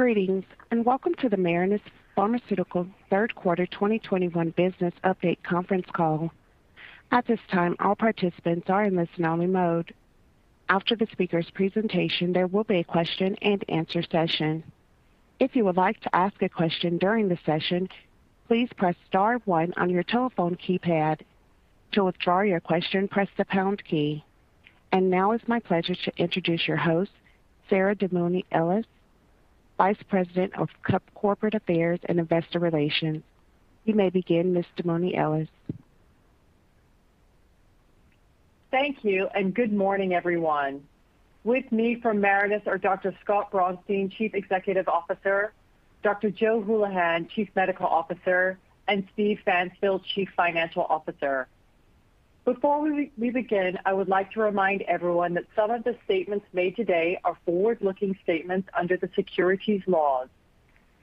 Greetings, and welcome to the Marinus Pharmaceuticals third quarter 2021 business update conference call. At this time, all participants are in listen-only mode. After the speaker's presentation, there will be a question and answer session. If you would like to ask a question during the session, please press star one on your telephone keypad. To withdraw your question, press the pound key. Now it's my pleasure to introduce your host, Sasha Damouni Ellis, Vice President of Corporate Affairs and Investor Relations. You may begin, Ms. Damouni Ellis. Thank you, and good morning, everyone. With me from Marinus are Dr. Scott Braunstein, Chief Executive Officer, Dr. Joe Hulihan, Chief Medical Officer, and Steven Pfanstiel, Chief Financial Officer. Before we begin, I would like to remind everyone that some of the statements made today are forward-looking statements under the securities laws.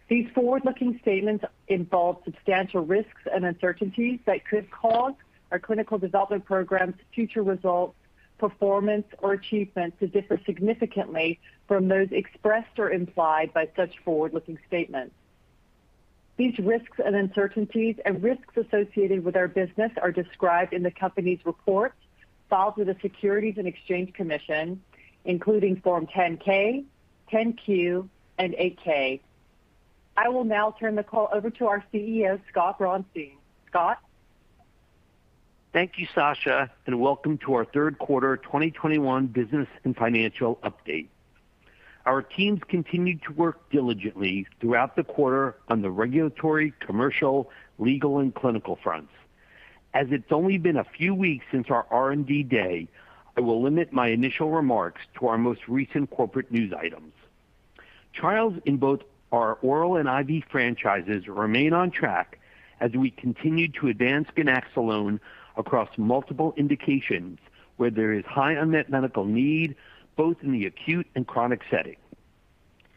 These forward-looking statements involve substantial risks and uncertainties that could cause our clinical development programs, future results, performance or achievements to differ significantly from those expressed or implied by such forward-looking statements. These risks and uncertainties and risks associated with our business are described in the company's report filed with the Securities and Exchange Commission, including Form 10-K, 10-Q, and 8-K. I will now turn the call over to our CEO, Scott Braunstein. Scott? Thank you, Sasha, and welcome to our third quarter 2021 business and financial update. Our teams continued to work diligently throughout the quarter on the regulatory, commercial, legal and clinical fronts. As it's only been a few weeks since our R&D Day, I will limit my initial remarks to our most recent corporate news items. Trials in both our oral and IV franchises remain on track as we continue to advance Ganaxolone across multiple indications where there is high unmet medical need, both in the acute and chronic setting.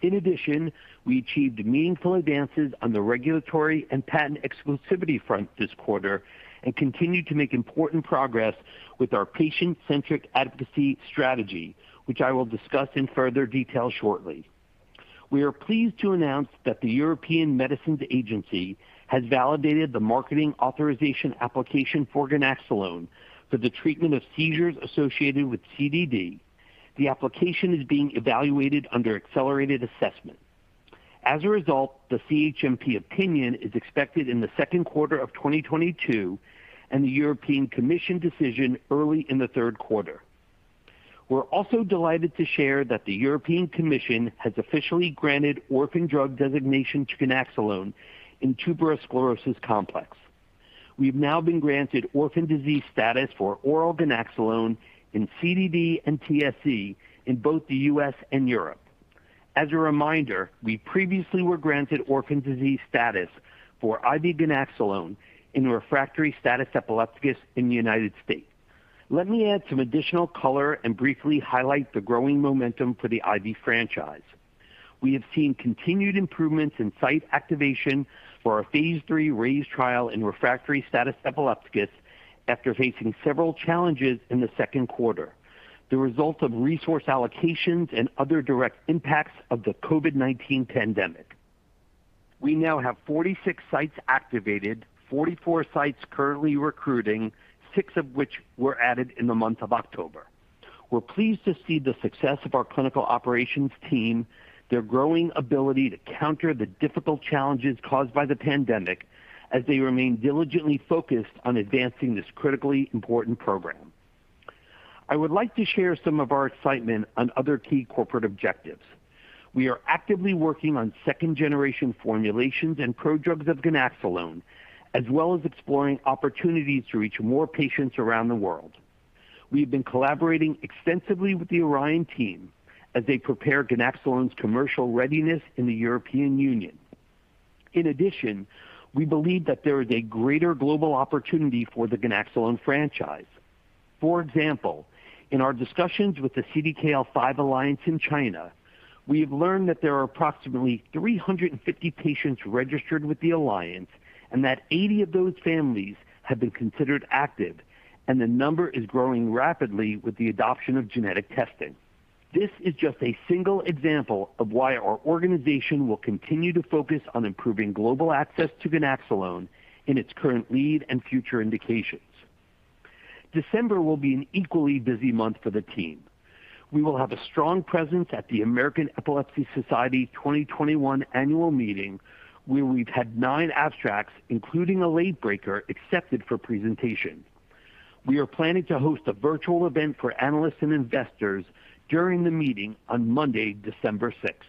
In addition, we achieved meaningful advances on the regulatory and patent exclusivity front this quarter and continued to make important progress with our patient-centric advocacy strategy, which I will discuss in further detail shortly. We are pleased to announce that the European Medicines Agency has validated the marketing authorization application for Ganaxolone for the treatment of seizures associated with CDD. The application is being evaluated under accelerated assessment. As a result, the CHMP opinion is expected in the second quarter of 2022, and the European Commission decision early in the third quarter. We're also delighted to share that the European Commission has officially granted orphan drug designation to ganaxolone in Tuberous Sclerosis Complex. We've now been granted orphan drug status for oral ganaxolone in CDD and TSC in both the U.S. and Europe. As a reminder, we previously were granted orphan drug status for IV ganaxolone in refractory status epilepticus in the United States. Let me add some additional color and briefly highlight the growing momentum for the IV franchise. We have seen continued improvements in site activation for our phase III RAISE trial in refractory status epilepticus after facing several challenges in the second quarter, the result of resource allocations and other direct impacts of the COVID-19 pandemic. We now have 46 sites activated, 44 sites currently recruiting, six of which were added in the month of October. We're pleased to see the success of our clinical operations team, their growing ability to counter the difficult challenges caused by the pandemic as they remain diligently focused on advancing this critically important program. I would like to share some of our excitement on other key corporate objectives. We are actively working on second generation formulations and prodrugs of Ganaxolone, as well as exploring opportunities to reach more patients around the world. We've been collaborating extensively with the Orion team as they prepare Ganaxolone's commercial readiness in the European Union. In addition, we believe that there is a greater global opportunity for the Ganaxolone franchise. For example, in our discussions with the CDKL5 Alliance in China, we have learned that there are approximately 350 patients registered with the alliance, and that 80 of those families have been considered active, and the number is growing rapidly with the adoption of genetic testing. This is just a single example of why our organization will continue to focus on improving global access to Ganaxolone in its current lead and future indications. December will be an equally busy month for the team. We will have a strong presence at the American Epilepsy Society 2021 Annual Meeting, where we've had nine abstracts, including a late breaker, accepted for presentation. We are planning to host a virtual event for analysts and investors during the meeting on Monday, December 6.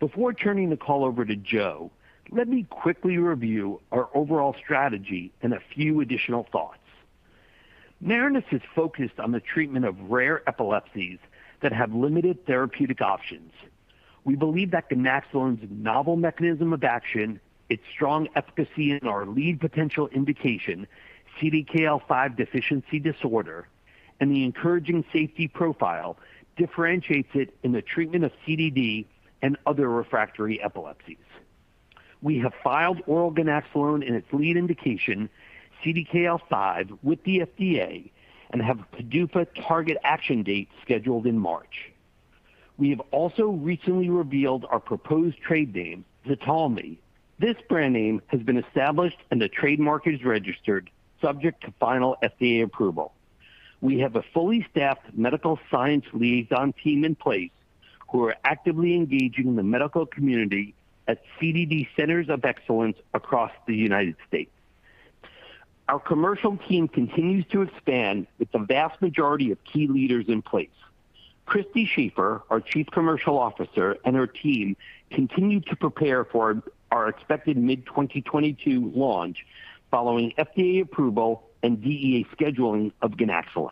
Before turning the call over to Joe, let me quickly review our overall strategy and a few additional thoughts. Marinus is focused on the treatment of rare epilepsies that have limited therapeutic options. We believe that ganaxolone's novel mechanism of action, its strong efficacy in our lead potential indication, CDKL5 deficiency disorder, and the encouraging safety profile differentiates it in the treatment of CDD and other refractory epilepsies. We have filed oral ganaxolone in its lead indication, CDKL5, with the FDA and have a PDUFA target action date scheduled in March. We have also recently revealed our proposed trade name, Ztalmy. This brand name has been established and the trademark is registered subject to final FDA approval. We have a fully staffed medical science liaison team in place who are actively engaging the medical community at CDD centers of excellence across the United States. Our commercial team continues to expand with the vast majority of key leaders in place. Christy Shafer, our Chief Commercial Officer, and her team continue to prepare for our expected mid-2022 launch following FDA approval and DEA scheduling of ganaxolone.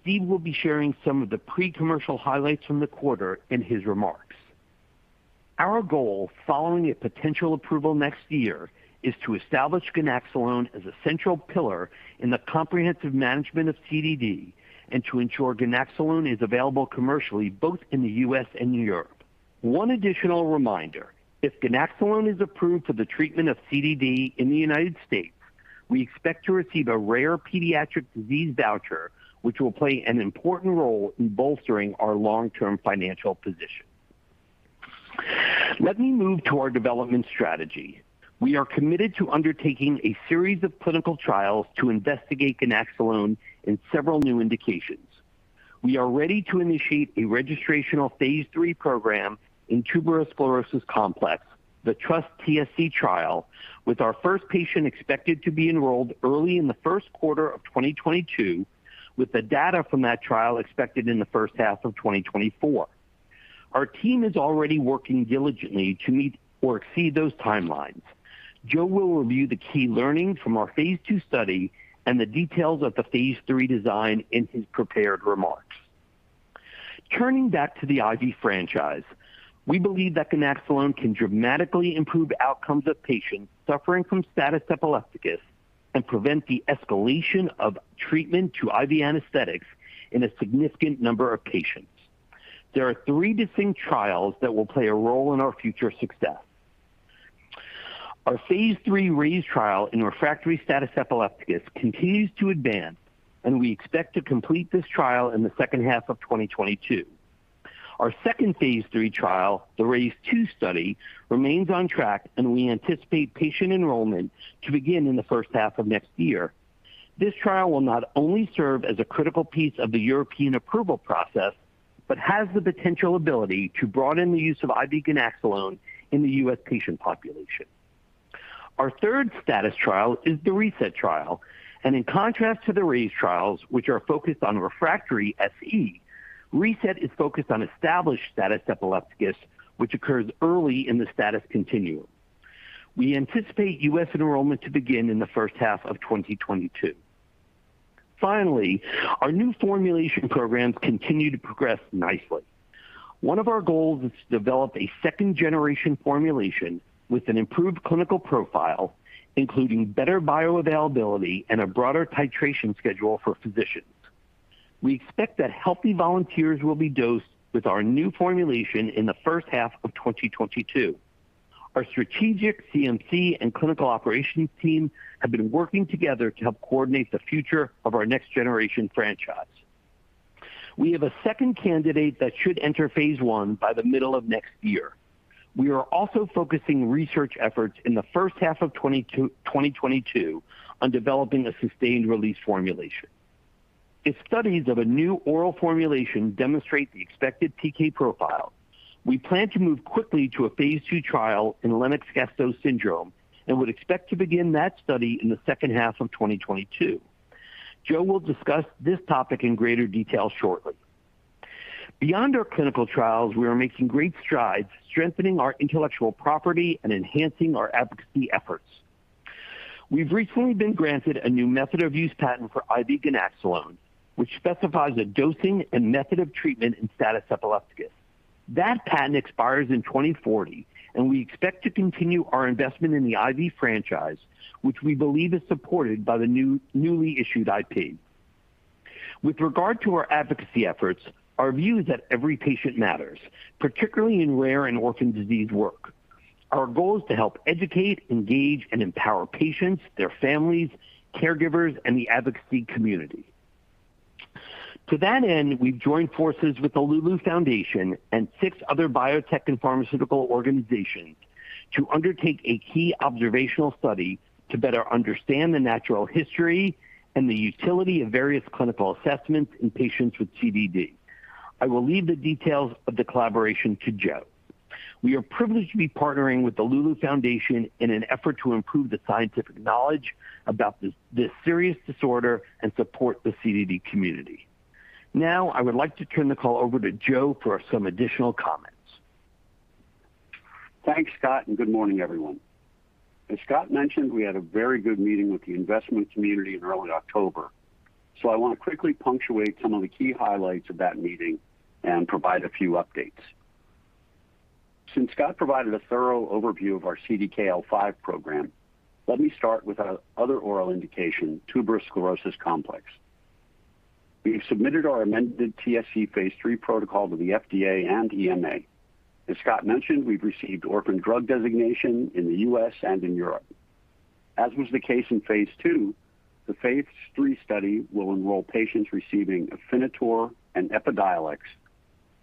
Steve will be sharing some of the pre-commercial highlights from the quarter in his remarks. Our goal following a potential approval next year is to establish ganaxolone as a central pillar in the comprehensive management of CDD and to ensure ganaxolone is available commercially both in the U.S. and Europe. One additional reminder, if ganaxolone is approved for the treatment of CDD in the United States, we expect to receive a rare pediatric disease voucher, which will play an important role in bolstering our long-term financial position. Let me move to our development strategy. We are committed to undertaking a series of clinical trials to investigate ganaxolone in several new indications. We are ready to initiate a registrational phase III program in Tuberous Sclerosis Complex, the TrustTSC trial, with our first patient expected to be enrolled early in the first quarter of 2022, with the data from that trial expected in the first half of 2024. Our team is already working diligently to meet or exceed those timelines. Joe will review the key learnings from our phase II study and the details of the phase III design in his prepared remarks. Turning back to the IV franchise, we believe that ganaxolone can dramatically improve outcomes of patients suffering from status epilepticus and prevent the escalation of treatment to IV anesthetics in a significant number of patients. There are three distinct trials that will play a role in our future success. Our phase III RAISE trial in refractory status epilepticus continues to advance, and we expect to complete this trial in the second half of 2022. Our second phase III trial, the RAISE two study, remains on track, and we anticipate patient enrollment to begin in the first half of next year. This trial will not only serve as a critical piece of the European approval process, but has the potential ability to broaden the use of IV ganaxolone in the U.S. patient population. Our third status trial is the RESET trial, and in contrast to the RAISE trials, which are focused on refractory SE, RESET is focused on established status epilepticus, which occurs early in the status continuum. We anticipate U.S. enrollment to begin in the first half of 2022. Finally, our new formulation programs continue to progress nicely. One of our goals is to develop a second-generation formulation with an improved clinical profile, including better bioavailability and a broader titration schedule for physicians. We expect that healthy volunteers will be dosed with our new formulation in the first half of 2022. Our strategic CMC and clinical operations team have been working together to help coordinate the future of our next generation franchise. We have a second candidate that should enter phase I by the middle of next year. We are also focusing research efforts in the first half of 2022 on developing a sustained-release formulation. If studies of a new oral formulation demonstrate the expected PK profile, we plan to move quickly to a phase II trial in Lennox-Gastaut syndrome and would expect to begin that study in the second half of 2022. Joe will discuss this topic in greater detail shortly. Beyond our clinical trials, we are making great strides strengthening our intellectual property and enhancing our advocacy efforts. We've recently been granted a new method of use patent for IV ganaxolone, which specifies a dosing and method of treatment in status epilepticus. That patent expires in 2040, and we expect to continue our investment in the IV franchise, which we believe is supported by the newly issued IP. With regard to our advocacy efforts, our view is that every patient matters, particularly in rare and orphan disease work. Our goal is to help educate, engage, and empower patients, their families, caregivers, and the advocacy community. To that end, we've joined forces with the Loulou Foundation and six other biotech and pharmaceutical organizations to undertake a key observational study to better understand the natural history and the utility of various clinical assessments in patients with CDD. I will leave the details of the collaboration to Joe. We are privileged to be partnering with the Loulou Foundation in an effort to improve the scientific knowledge about this serious disorder and support the CDD community. Now, I would like to turn the call over to Joe for some additional comments. Thanks, Scott, and good morning, everyone. As Scott mentioned, we had a very good meeting with the investment community in early October. I want to quickly punctuate some of the key highlights of that meeting and provide a few updates. Since Scott provided a thorough overview of our CDKL5 program, let me start with our other oral indication, Tuberous Sclerosis Complex. We've submitted our amended TSC phase III protocol to the FDA and EMA. As Scott mentioned, we've received orphan drug designation in the U.S. and in Europe. As was the case in phase II, the phase III study will enroll patients receiving Afinitor and Epidiolex,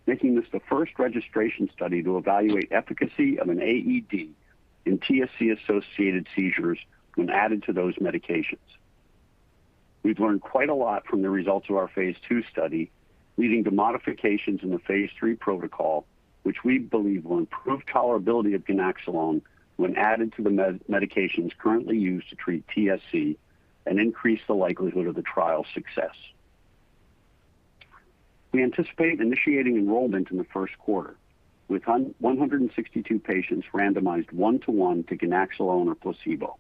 making this the first registration study to evaluate efficacy of an AED in TSC-associated seizures when added to those medications. We've learned quite a lot from the results of our phase II study, leading to modifications in the phase III protocol, which we believe will improve tolerability of ganaxolone when added to the medications currently used to treat TSC and increase the likelihood of the trial's success. We anticipate initiating enrollment in the first quarter, with 162 patients randomized 1:1 to ganaxolone or placebo.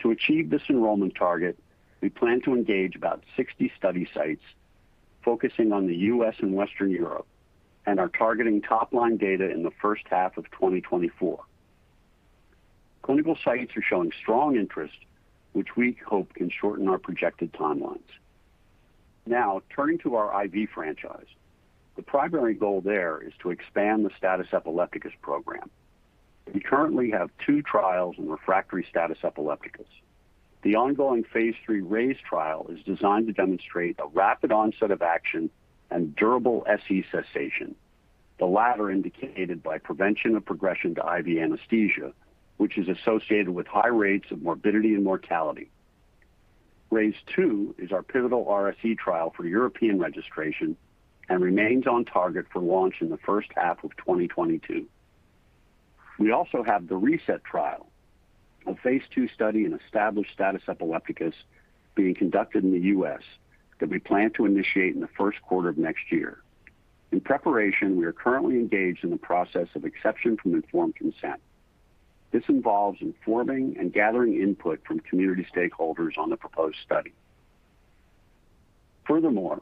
To achieve this enrollment target, we plan to engage about 60 study sites focusing on the U.S. and Western Europe, and are targeting top-line data in the first half of 2024. Clinical sites are showing strong interest, which we hope can shorten our projected timelines. Now, turning to our IV franchise. The primary goal there is to expand the status epilepticus program. We currently have two trials in refractory status epilepticus. The ongoing phase III RAISE trial is designed to demonstrate a rapid onset of action and durable SE cessation, the latter indicated by prevention of progression to IV anesthesia, which is associated with high rates of morbidity and mortality. RAISE Two is our pivotal RSE trial for European registration and remains on target for launch in the first half of 2022. We also have the RESET trial, a phase II study in established status epilepticus being conducted in the U.S. that we plan to initiate in the first quarter of next year. In preparation, we are currently engaged in the process of exception from informed consent. This involves informing and gathering input from community stakeholders on the proposed study. Furthermore,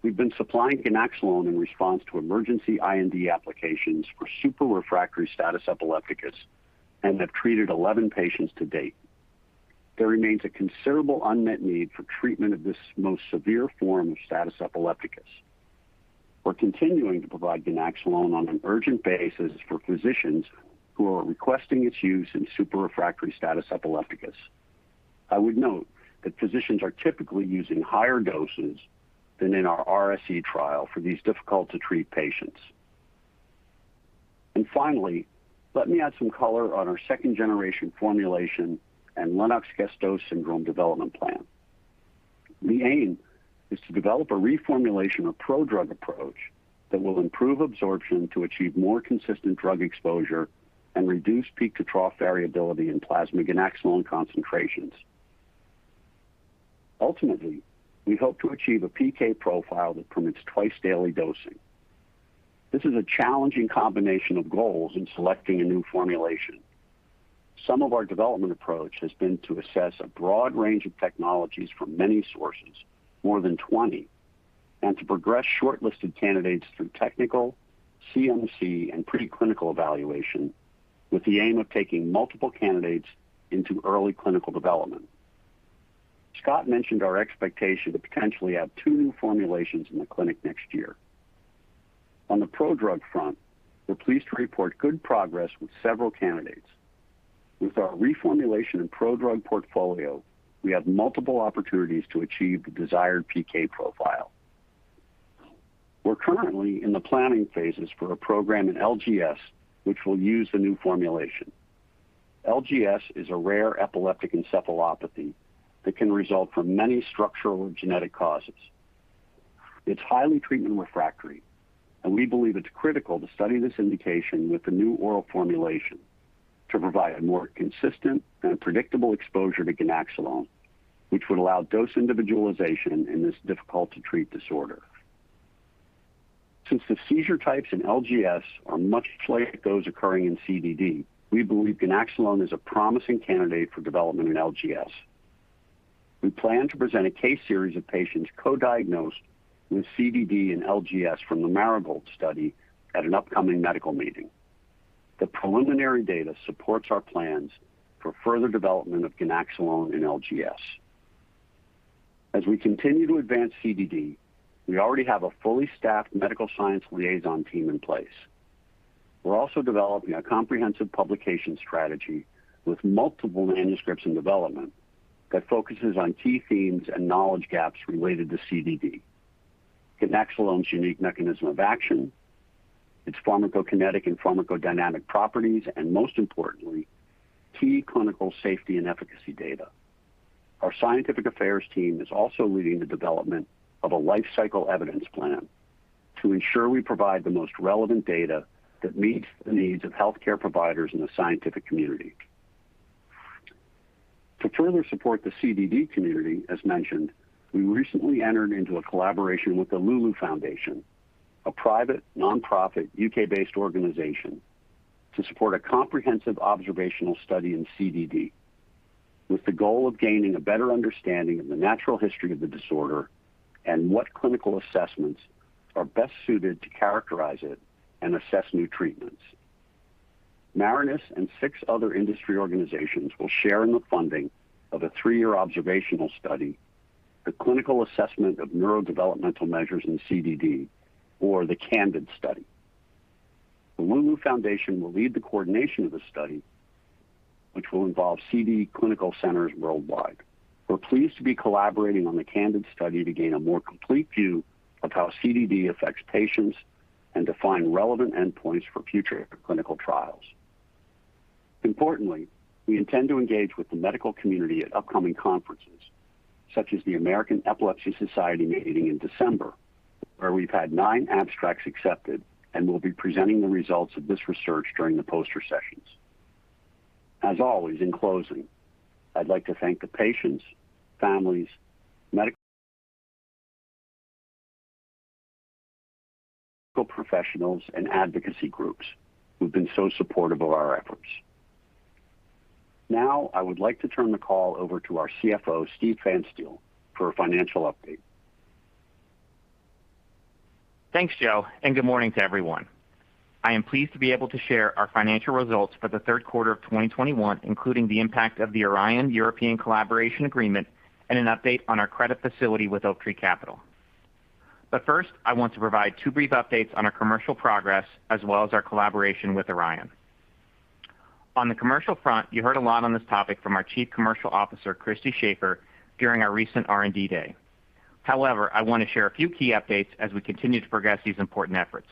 we've been supplying ganaxolone in response to emergency IND applications for super refractory status epilepticus and have treated 11 patients to date. There remains a considerable unmet need for treatment of this most severe form of status epilepticus. We're continuing to provide ganaxolone on an urgent basis for physicians who are requesting its use in super refractory status epilepticus. I would note that physicians are typically using higher doses than in our RSE trial for these difficult to treat patients. Finally, let me add some color on our second-generation formulation and Lennox-Gastaut syndrome development plan. The aim is to develop a reformulation of prodrug approach that will improve absorption to achieve more consistent drug exposure and reduce peak-to-trough variability in plasma ganaxolone concentrations. Ultimately, we hope to achieve a PK profile that permits twice-daily dosing. This is a challenging combination of goals in selecting a new formulation. Some of our development approach has been to assess a broad range of technologies from many sources, more than 20, and to progress shortlisted candidates through technical, CMC, and preclinical evaluation with the aim of taking multiple candidates into early clinical development. Scott mentioned our expectation to potentially have two new formulations in the clinic next year. On the prodrug front, we're pleased to report good progress with several candidates. With our reformulation and prodrug portfolio, we have multiple opportunities to achieve the desired PK profile. We're currently in the planning phases for a program in LGS, which will use the new formulation. LGS is a rare epileptic encephalopathy that can result from many structural genetic causes. It's highly treatment refractory, and we believe it's critical to study this indication with the new oral formulation to provide a more consistent and predictable exposure to ganaxolone, which would allow dose individualization in this difficult to treat disorder. Since the seizure types in LGS are much like those occurring in CDD, we believe ganaxolone is a promising candidate for development in LGS. We plan to present a case series of patients co-diagnosed with CDD and LGS from the Marigold study at an upcoming medical meeting. The preliminary data supports our plans for further development of ganaxolone in LGS. As we continue to advance CDD, we already have a fully staffed medical science liaison team in place. We're also developing a comprehensive publication strategy with multiple manuscripts in development that focuses on key themes and knowledge gaps related to CDD. Ganaxolone's unique mechanism of action, its pharmacokinetic and pharmacodynamic properties, and most importantly, key clinical safety and efficacy data. Our scientific affairs team is also leading the development of a lifecycle evidence plan to ensure we provide the most relevant data that meets the needs of healthcare providers in the scientific community. To further support the CDD community, as mentioned, we recently entered into a collaboration with the Loulou Foundation, a private non-profit UK-based organization, to support a comprehensive observational study in CDD with the goal of gaining a better understanding of the natural history of the disorder and what clinical assessments are best suited to characterize it and assess new treatments. Marinus and six other industry organizations will share in the funding of a three year observational study, the Clinical Assessment of Neurodevelopmental Measures in CDD, or the CANDID study. The Loulou Foundation will lead the coordination of the study, which will involve CDD clinical centers worldwide. We're pleased to be collaborating on the CANDID study to gain a more complete view of how CDD affects patients and define relevant endpoints for future clinical trials. Importantly, we intend to engage with the medical community at upcoming conferences, such as the American Epilepsy Society meeting in December, where we've had nine abstracts accepted and will be presenting the results of this research during the poster sessions. As always, in closing, I'd like to thank the patients, families, medical professionals, and advocacy groups who've been so supportive of our efforts. Now, I would like to turn the call over to our CFO, Steven Pfanstiel, for a financial update. Thanks, Joe, and good morning to everyone. I am pleased to be able to share our financial results for the third quarter of 2021, including the impact of the Orion European Collaboration Agreement and an update on our credit facility with Oaktree Capital. First, I want to provide two brief updates on our commercial progress as well as our collaboration with Orion. On the commercial front, you heard a lot on this topic from our Chief Commercial Officer, Christy Shafer, during our recent R&D Day. However, I want to share a few key updates as we continue to progress these important efforts.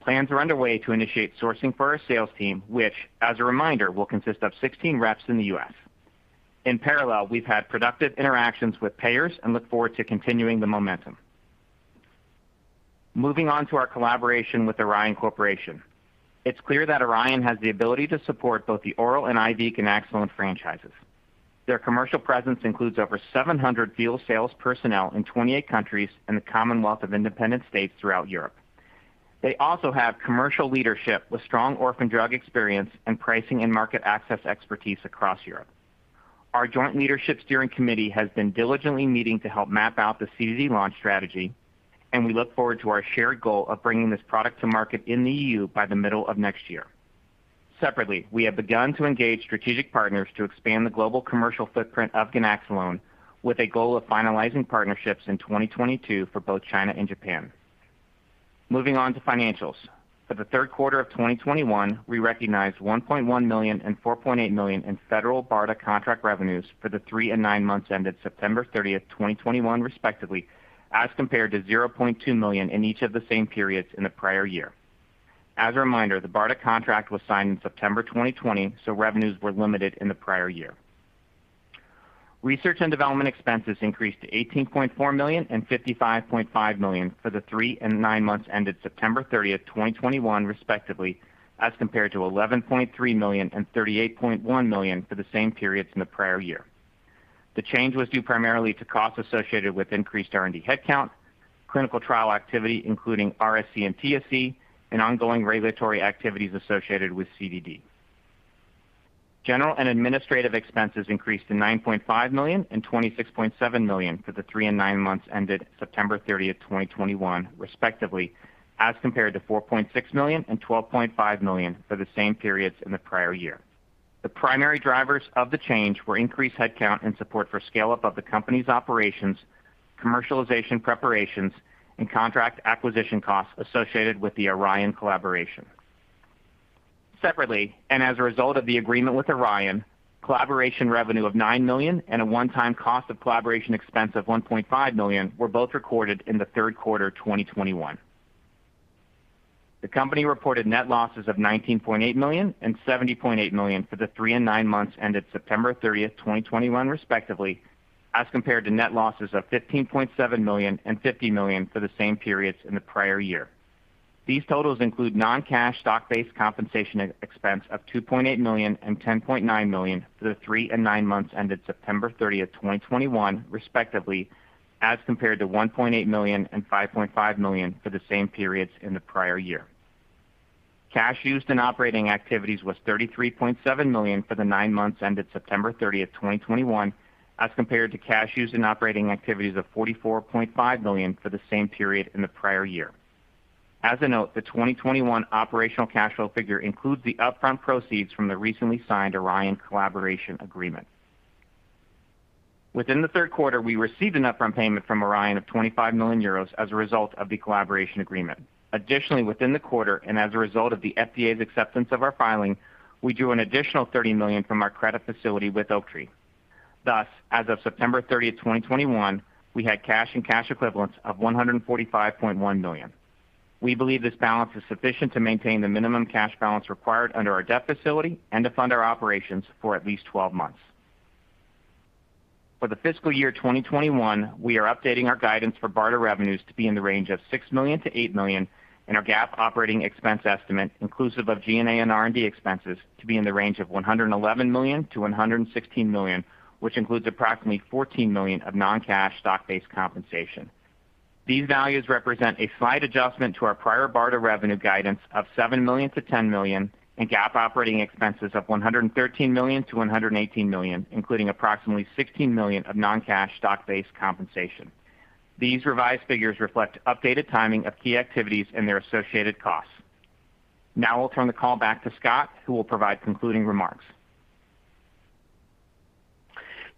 Plans are underway to initiate sourcing for our sales team, which, as a reminder, will consist of 16 reps in the U.S. In parallel, we've had productive interactions with payers and look forward to continuing the momentum. Moving on to our collaboration with Orion Corporation. It's clear that Orion has the ability to support both the oral and IV ganaxolone franchises. Their commercial presence includes over 700 field sales personnel in 28 countries and the Commonwealth of Independent States throughout Europe. They also have commercial leadership with strong orphan drug experience and pricing and market access expertise across Europe. Our joint leadership steering committee has been diligently meeting to help map out the CDD launch strategy, and we look forward to our shared goal of bringing this product to market in the E.U by the middle of next year. Separately, we have begun to engage strategic partners to expand the global commercial footprint of ganaxolone with a goal of finalizing partnerships in 2022 for both China and Japan. Moving on to financials. For the third quarter of 2021, we recognized $1.1 million and $4.8 million in federal BARDA contract revenues for the three and nine months ended 30th September 2021, respectively, as compared to $0.2 million in each of the same periods in the prior year. As a reminder, the BARDA contract was signed in September 2020, so revenues were limited in the prior year. Research and development expenses increased to $18.4 million and $55.5 million for the three and nine months ended 30th September 2021, respectively, as compared to $11.3 million and $38.1 million for the same periods in the prior year. The change was due primarily to costs associated with increased R&D headcount, clinical trial activity, including RSE and TSC, and ongoing regulatory activities associated with CDD. General and administrative expenses increased to $9.5 million and $26.7 million for the three and nine months ended 30th September 2021, respectively, as compared to $4.6 million and $12.5 million for the same periods in the prior year. The primary drivers of the change were increased headcount and support for scale-up of the company's operations, commercialization preparations, and contract acquisition costs associated with the Orion collaboration. Separately, and as a result of the agreement with Orion, collaboration revenue of $9 million and a one-time cost of collaboration expense of $1.5 million were both recorded in the third quarter 2021. The company reported net losses of $19.8 million and $70.8 million for the three and nine months ended September 30, 2021, respectively, as compared to net losses of $15.7 million and $50 million for the same periods in the prior year. These totals include non-cash stock-based compensation expense of $2.8 million and $10.9 million for the three and nine months ended 30th September 2021, respectively, as compared to $1.8 million and $5.5 million for the same periods in the prior year. Cash used in operating activities was $33.7 million for the nine months ended 30th September 2021, as compared to cash used in operating activities of $44.5 million for the same period in the prior year. As a note, the 2021 operational cash flow figure includes the upfront proceeds from the recently signed Orion collaboration agreement. Within the third quarter, we received an upfront payment from Orion of 25 million euros as a result of the collaboration agreement. Additionally, within the quarter, and as a result of the FDA's acceptance of our filing, we drew an additional $30 million from our credit facility with Oaktree. Thus, as of 30th September 2021, we had cash and cash equivalents of $145.1 million. We believe this balance is sufficient to maintain the minimum cash balance required under our debt facility and to fund our operations for at least 12 months. For the fiscal year 2021, we are updating our guidance for BARDA revenues to be in the range of $6 million-$8 million, and our GAAP operating expense estimate, inclusive of G&A and R&D expenses, to be in the range of $111 million-$116 million, which includes approximately $14 million of non-cash stock-based compensation. These values represent a slight adjustment to our prior BARDA revenue guidance of $7 million-$10 million and GAAP operating expenses of $113 million-$118 million, including approximately $16 million of non-cash stock-based compensation. These revised figures reflect updated timing of key activities and their associated costs. Now I'll turn the call back to Scott, who will provide concluding remarks.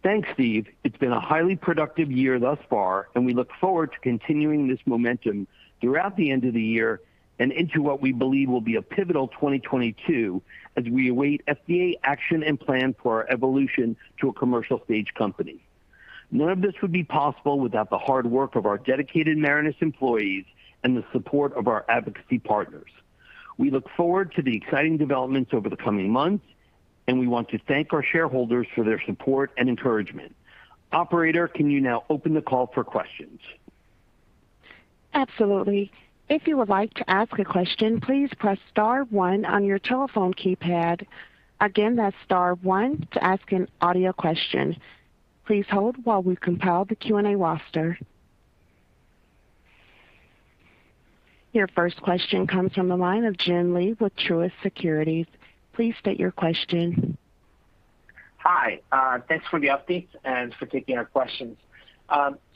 Thanks, Steve. It's been a highly productive year thus far, and we look forward to continuing this momentum throughout the end of the year and into what we believe will be a pivotal 2022 as we await FDA action and plan for our evolution to a commercial stage company. None of this would be possible without the hard work of our dedicated Marinus employees and the support of our advocacy partners. We look forward to the exciting developments over the coming months, and we want to thank our shareholders for their support and encouragement. Operator, can you now open the call for questions? Absolutely. If you would like to ask a question, please press star one on your telephone keypad. Again, that's star one to ask an audio question. Please hold while we compile the Q&A roster. Your first question comes from the line of Joon Lee with Truist Securities. Please state your question. Hi. Thanks for the updates and for taking our questions.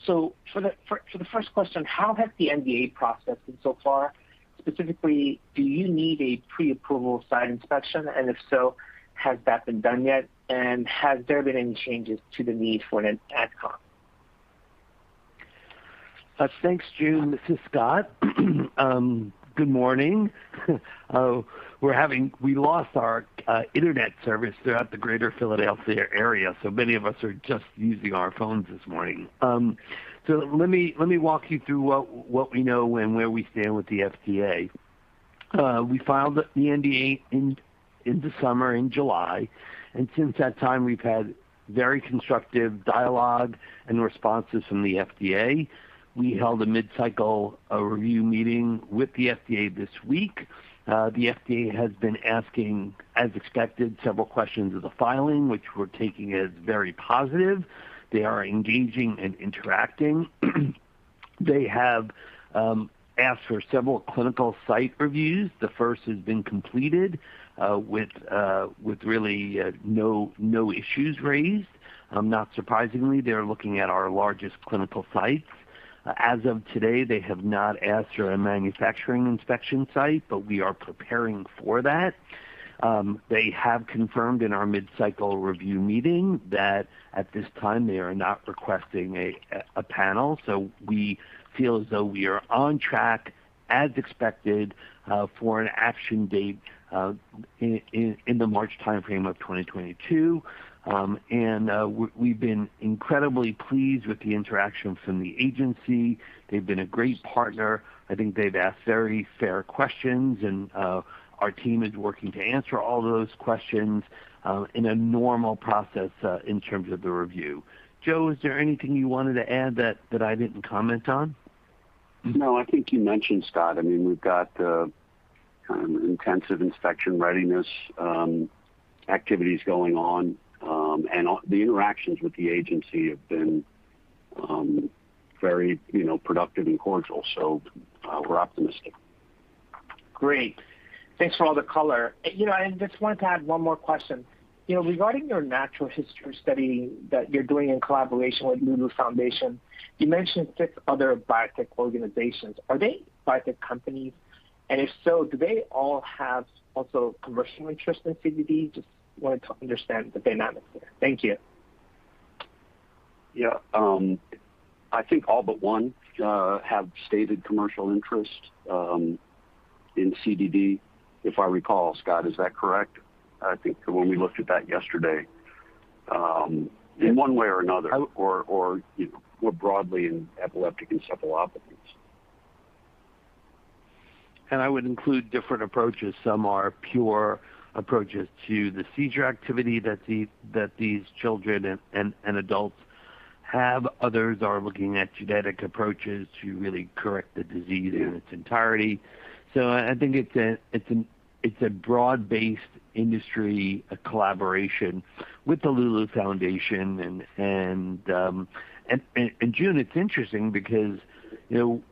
For the first question, how has the NDA processed so far? Specifically, do you need a pre-approval site inspection? And if so, has that been done yet? And has there been any changes to the need for an ADCOM? Thanks, Joon. This is Scott. Good morning. We lost our internet service throughout the greater Philadelphia area, so many of us are just using our phones this morning. Let me walk you through what we know and where we stand with the FDA. We filed the NDA in the summer in July. Since that time, we've had very constructive dialogue and responses from the FDA. We held a mid-cycle review meeting with the FDA this week. The FDA has been asking, as expected, several questions of the filing, which we're taking as very positive. They are engaging and interacting. They have asked for several clinical site reviews. The first has been completed with really no issues raised. Not surprisingly, they're looking at our largest clinical sites. As of today, they have not asked for a manufacturing inspection site, but we are preparing for that. They have confirmed in our mid-cycle review meeting that at this time, they are not requesting a panel. We feel as though we are on track as expected for an action date in the March timeframe of 2022. We've been incredibly pleased with the interaction from the agency. They've been a great partner. I think they've asked very fair questions, and our team is working to answer all those questions in a normal process in terms of the review. Joe, is there anything you wanted to add that I didn't comment on? No. I think you mentioned, Scott, I mean, we've got intensive inspection readiness activities going on. The interactions with the agency have been very, you know, productive and cordial, so we're optimistic. Great. Thanks for all the color. You know, I just wanted to add one more question. You know, regarding your natural history study that you're doing in collaboration with Loulou Foundation, you mentioned six other biotech organizations. Are they biotech companies? And if so, do they all have also commercial interest in CDD? Just wanted to understand the dynamic there. Thank you. Yeah. I think all but one have stated commercial interest in CDD, if I recall. Scott, is that correct? I think when we looked at that yesterday, in one way or another, or you know, more broadly in epileptic encephalopathies. I would include different approaches. Some are pure approaches to the seizure activity that these children and adults have. Others are looking at genetic approaches to really correct the disease in its entirety. I think it's a broad-based industry collaboration with the Loulou Foundation. Joon, it's interesting because, you know,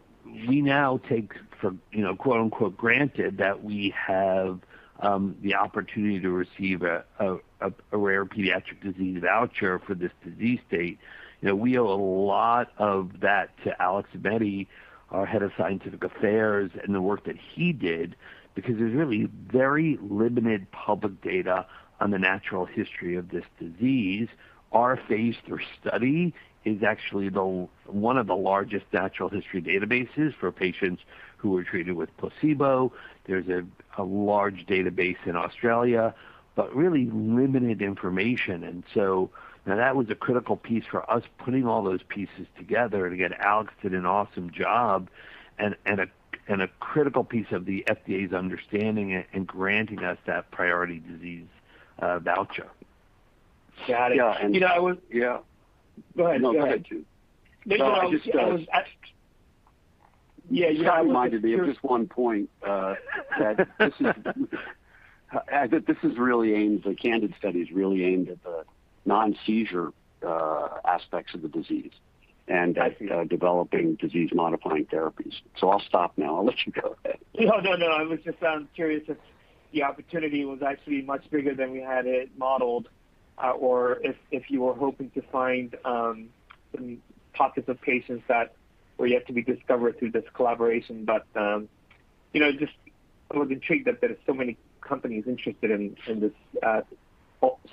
we now take for, you know, quote-unquote, granted that we have the opportunity to receive a rare pediatric disease voucher for this disease state. You know, we owe a lot of that to Alex Aimetti, our head of scientific affairs, and the work that he did, because there's really very limited public data on the natural history of this disease. Our phase III study is actually one of the largest natural history databases for patients who were treated with placebo. There's a large database in Australia, but really limited information. Now, that was a critical piece for us, putting all those pieces together. Again, Alex did an awesome job and a critical piece of the FDA's understanding and granting us that priority disease voucher. Got it. Yeah. You know, I was Yeah. Go ahead. No, go ahead, Joon. Yeah, you know. Scott reminded me of just one point that this is really aimed. The CANDID study is really aimed at the non-seizure aspects of the disease and at developing disease-modifying therapies. I'll stop now. I'll let you go. No, no. I was just curious if the opportunity was actually much bigger than we had it modeled. If you were hoping to find some pockets of patients that were yet to be discovered through this collaboration. You know, just a little intrigued that there are so many companies interested in this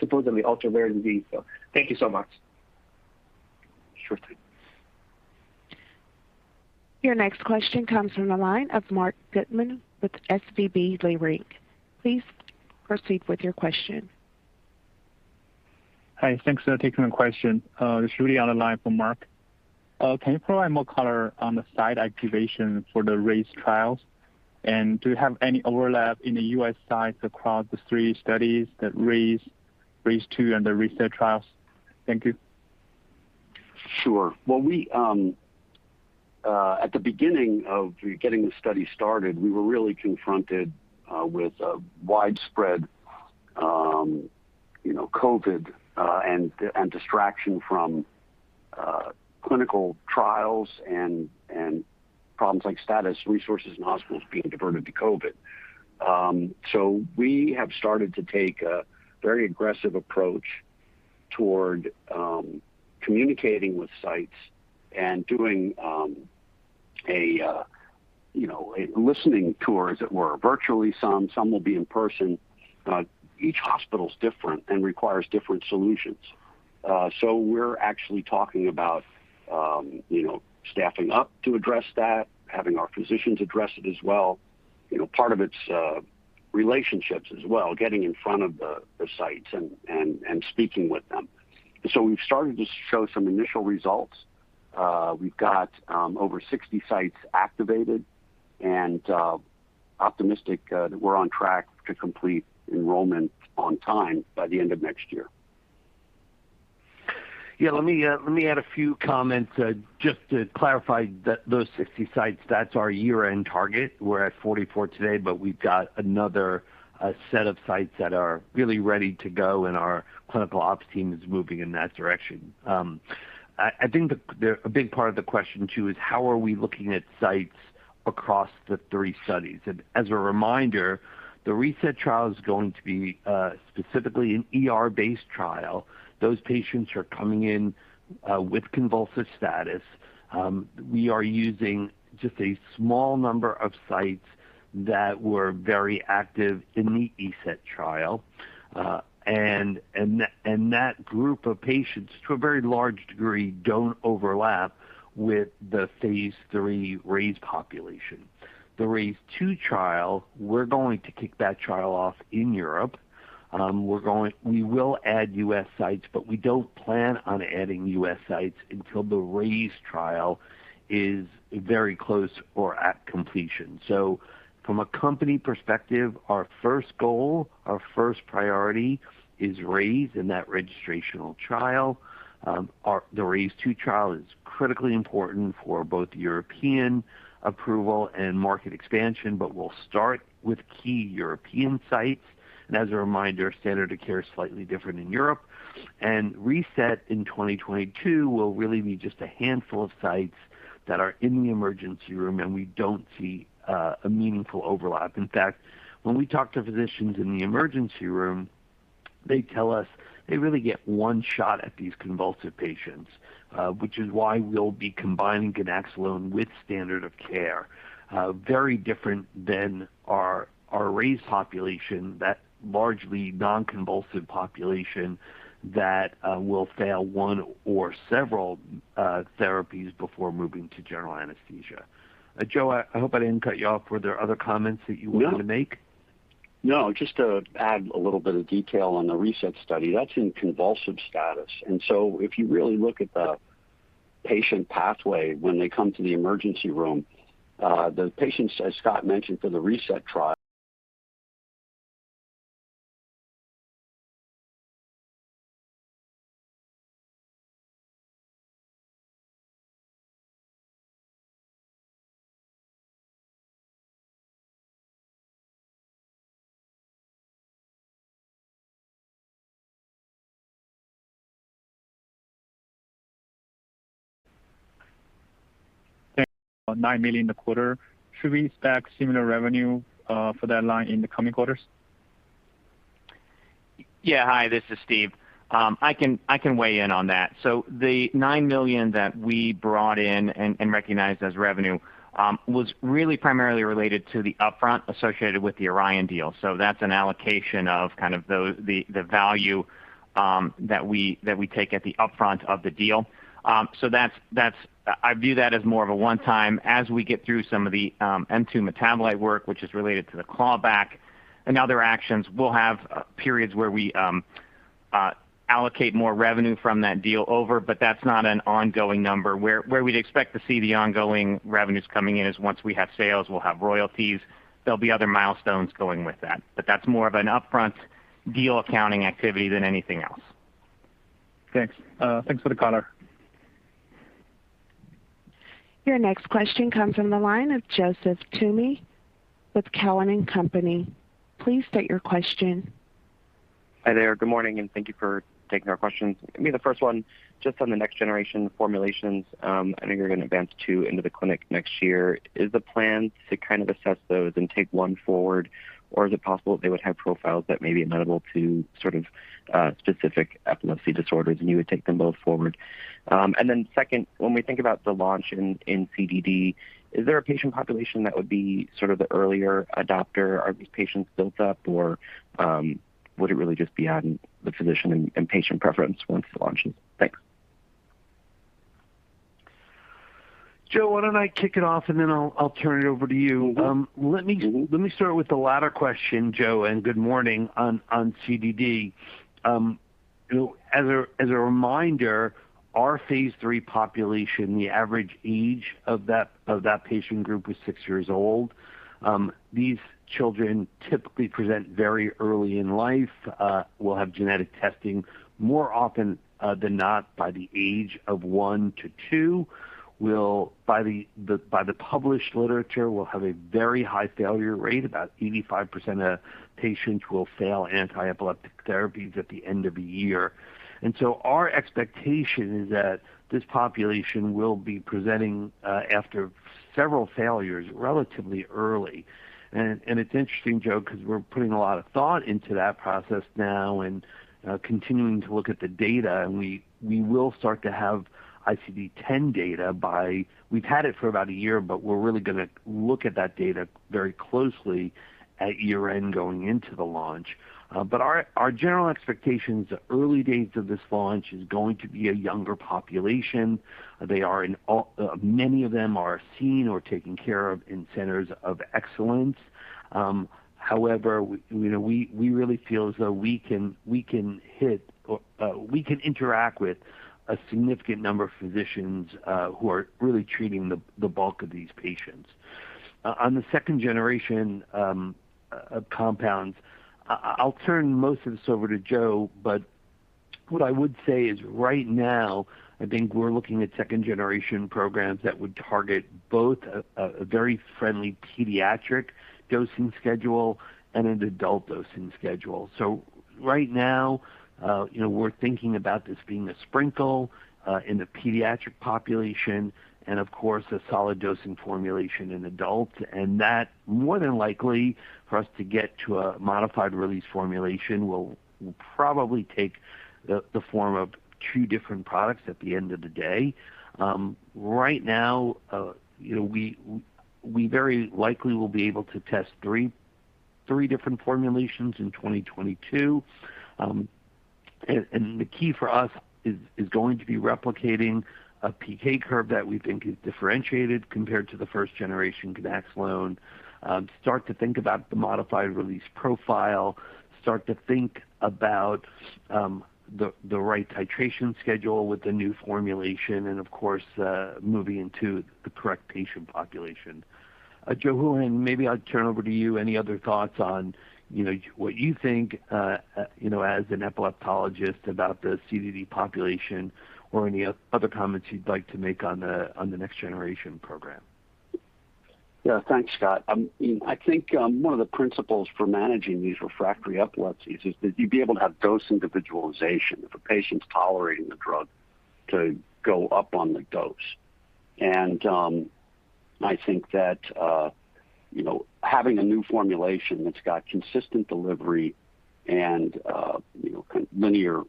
supposedly ultra-rare disease. Thank you so much. Sure thing. Your next question comes from the line of Marc Goodman with SVB Leerink. Please proceed with your question. Hi. Thanks for taking my question. It's really on the line for Mark. Can you provide more color on the site activation for the RAISE trials? Do you have any overlap in the U.S. sites across the three studies, the RAISE II, and the RESET trials? Thank you. Sure. Well, we at the beginning of getting the study started, we were really confronted with widespread you know COVID and distraction from clinical trials and problems like status, resources, and hospitals being diverted to COVID. We have started to take a very aggressive approach toward communicating with sites and doing a you know a listening tour, as it were, virtually. Some will be in person. Each hospital is different and requires different solutions. We're actually talking about you know staffing up to address that, having our physicians address it as well. You know part of it's relationships as well, getting in front of the sites and speaking with them. We've started to show some initial results. We've got over 60 sites activated and optimistic that we're on track to complete enrollment on time by the end of next year. Let me add a few comments just to clarify that those 60 sites, that's our year-end target. We're at 44 today, but we've got another set of sites that are really ready to go, and our clinical ops team is moving in that direction. I think a big part of the question, too, is how are we looking at sites across the three studies. As a reminder, the RAISE trial is going to be specifically an ER-based trial. Those patients are coming in with convulsive status. We are using just a small number of sites that were very active in the ESET trial, and that group of patients, to a very large degree, don't overlap with the phase III RAISE population. The RAISE II trial, we're going to kick that trial off in Europe. We will add U.S. sites, but we don't plan on adding U.S. sites until the RAISE trial is very close or at completion. From a company perspective, our first goal, our first priority is RAISE in that registrational trial. The RAISE II trial is critically important for both European approval and market expansion, but we'll start with key European sites. As a reminder, standard of care is slightly different in Europe. RESET in 2022 will really be just a handful of sites that are in the emergency room, and we don't see a meaningful overlap. In fact, when we talk to physicians in the emergency room, they tell us they really get one shot at these convulsive patients, which is why we'll be combining Ganaxolone with standard of care. Very different than our RAISE population, that largely non-convulsive population that will fail one or several therapies before moving to general anesthesia. Joe, I hope I didn't cut you off. Were there other comments that you wanted to make? No. Just to add a little bit of detail on the RESET study. That's in convulsive status. If you really look at the patient pathway when they come to the emergency room, the patients, as Scott mentioned, for the RESET trial- Thank you. $9 million a quarter. Should we expect similar revenue for that line in the coming quarters? Yeah. Hi, this is Steve. I can weigh in on that. The $9 million that we brought in and recognized as revenue was really primarily related to the upfront associated with the Orion deal. That's an allocation of kind of the value that we take at the upfront of the deal. I view that as more of a one-time. As we get through some of the M2 metabolite work, which is related to the clawback and other actions, we'll have periods where we allocate more revenue from that deal over, but that's not an ongoing number. Where we'd expect to see the ongoing revenues coming in is once we have sales, we'll have royalties. There'll be other milestones going with that. That's more of an upfront deal accounting activity than anything else. Thanks. Thanks for the color. Your next question comes from the line of Joseph Thome with Cowen and Company. Please state your question. Hi there. Good morning, and thank you for taking our questions. Maybe the first one, just on the next generation formulations, I know you're going to advance two into the clinic next year. Is the plan to kind of assess those and take one forward? Is it possible they would have profiles that may be amenable to sort of specific epilepsy disorders, and you would take them both forward? Second, when we think about the launch in CDD, is there a patient population that would be sort of the early adopter? Are these patients built up or would it really just be on the physician and patient preference once it launches? Thanks. Joe, why don't I kick it off, and then I'll turn it over to you. Mm-hmm. Let me start with the latter question, Joe, and good morning on CDD. You know, as a reminder, our phase III population, the average age of that patient group was six years old. These children typically present very early in life, will have genetic testing more often than not by the age of one to two, by the published literature, will have a very high failure rate. About 85% of patients will fail anti-epileptic therapies at the end of a year. Our expectation is that this population will be presenting after several failures relatively early. It's interesting, Joe, 'cause we're putting a lot of thought into that process now and continuing to look at the data. We will start to have ICD-10 data by... We've had it for about a year, but we're really gonna look at that data very closely at year-end going into the launch. Our general expectations, the early days of this launch is going to be a younger population. Many of them are seen or taken care of in centers of excellence. However, you know, we really feel as though we can hit or interact with a significant number of physicians who are really treating the bulk of these patients. On the second generation of compounds, I'll turn most of this over to Joe, but what I would say is right now, I think we're looking at second generation programs that would target both a very friendly pediatric dosing schedule and an adult dosing schedule. Right now, you know, we're thinking about this being a sprinkle in the pediatric population and of course a solid dosing formulation in adults. That, more than likely, for us to get to a modified release formulation will probably take the form of two different products at the end of the day. Right now, you know, we very likely will be able to test three different formulations in 2022. The key for us is going to be replicating a PK curve that we think is differentiated compared to the first generation ganaxolone, start to think about the modified release profile, start to think about the right titration schedule with the new formulation and of course moving into the correct patient population. Joe Hulihan, maybe I'll turn it over to you. Any other thoughts on, you know, what you think, you know, as an epileptologist about the CDD population or any other comments you'd like to make on the next generation program? Yeah. Thanks, Scott. I think one of the principles for managing these refractory epilepsies is that you'd be able to have dose individualization if a patient's tolerating the drug to go up on the dose. I think that you know, having a new formulation that's got consistent delivery and you know, kind of linear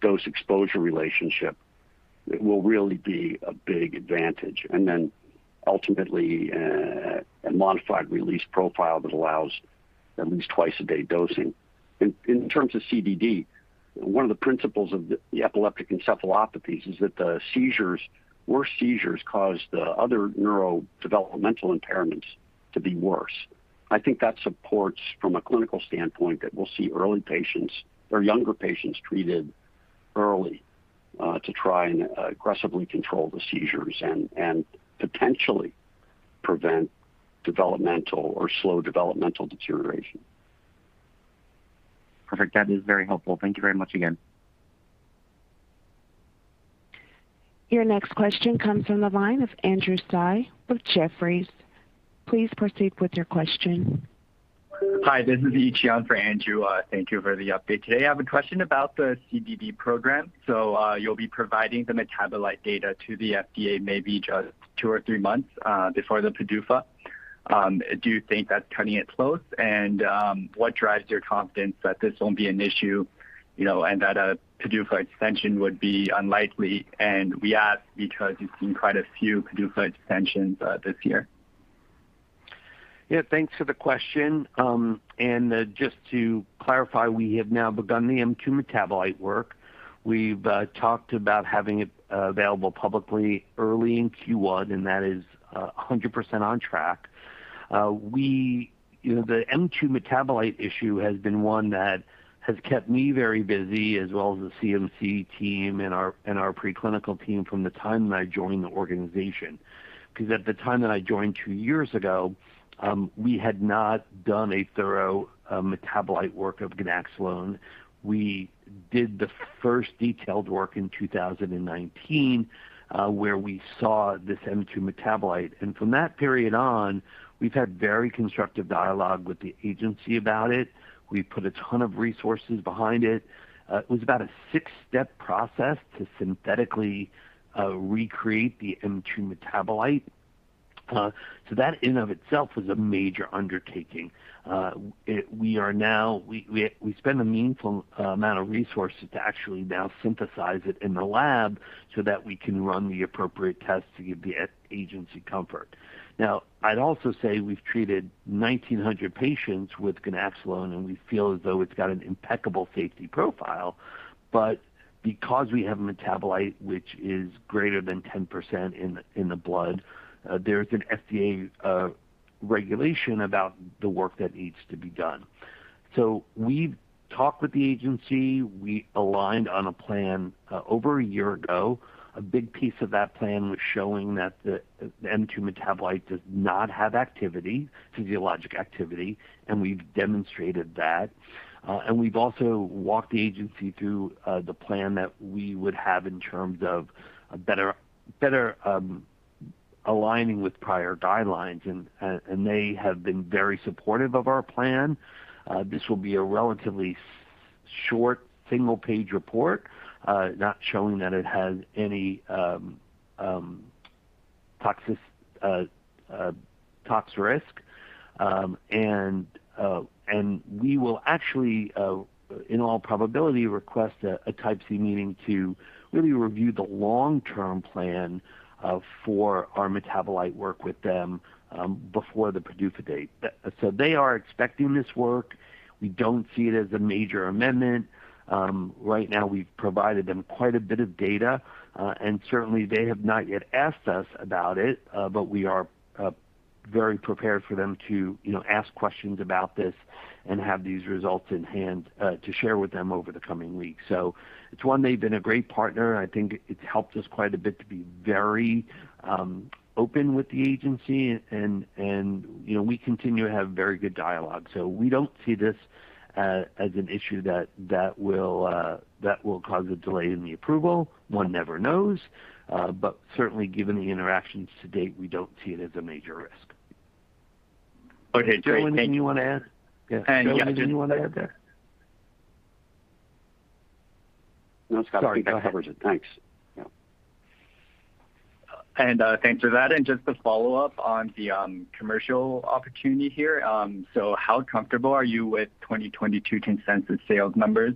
dose exposure relationship will really be a big advantage. Then ultimately a modified release profile that allows at least twice-a-day dosing. In terms of CDD, one of the principles of the epileptic encephalopathies is that the seizures, worse seizures cause the other neurodevelopmental impairments to be worse. I think that supports from a clinical standpoint that we'll see early patients or younger patients treated early to try and aggressively control the seizures and potentially prevent developmental or slow developmental deterioration. Perfect. That is very helpful. Thank you very much again. Your next question comes from the line of Andrew Tsai with Jefferies. Please proceed with your question. Hi, this is Yi-Chien for Andrew. Thank you for the update today. I have a question about the CDD program. You'll be providing the metabolite data to the FDA maybe just two or three months before the PDUFA. Do you think that's cutting it close? What drives your confidence that this won't be an issue, you know, and that a PDUFA extension would be unlikely? We ask because we've seen quite a few PDUFA extensions this year. Yeah, thanks for the question. Just to clarify, we have now begun the M2 metabolite work. We've talked about having it available publicly early in Q1, and that is 100% on track. You know, the M2 metabolite issue has been one that has kept me very busy, as well as the CMC team and our preclinical team from the time that I joined the organization. 'Cause at the time that I joined two years ago, we had not done a thorough metabolite work of ganaxolone. We did the first detailed work in 2019, where we saw this M2 metabolite. From that period on, we've had very constructive dialogue with the agency about it. We've put a ton of resources behind it. It was about a six-step process to synthetically recreate the M2 metabolite. That in and of itself was a major undertaking. We are now. We spend a meaningful amount of resources to actually now synthesize it in the lab so that we can run the appropriate tests to give the agency comfort. Now, I'd also say we've treated 1,900 patients with ganaxolone, and we feel as though it's got an impeccable safety profile. Because we have a metabolite which is greater than 10% in the blood, there is an FDA regulation about the work that needs to be done. We've talked with the agency. We aligned on a plan over a year ago. A big piece of that plan was showing that the M2 metabolite does not have activity, physiologic activity, and we've demonstrated that. We've also walked the agency through the plan that we would have in terms of a better aligning with prior guidelines and they have been very supportive of our plan. This will be a relatively short single page report not showing that it has any tox risk. We will actually, in all probability, request a type C meeting to really review the long-term plan for our metabolite work with them before the PDUFA date. They are expecting this work. We don't see it as a major amendment. Right now we've provided them quite a bit of data, and certainly they have not yet asked us about it, but we are very prepared for them to, you know, ask questions about this and have these results in hand to share with them over the coming weeks. It's one they've been a great partner. I think it's helped us quite a bit to be very open with the agency and, you know, we continue to have very good dialogue. We don't see this as an issue that will cause a delay in the approval. One never knows, but certainly given the interactions to date, we don't see it as a major risk. Okay, great. Thank you. Joe, anything you want to add? And, yeah, just- Joe, anything you want to add there? No, Scott. Sorry. Go ahead. That covers it. Thanks. Yeah. Thanks for that. Just to follow up on the commercial opportunity here. How comfortable are you with 2022 consensus sales numbers?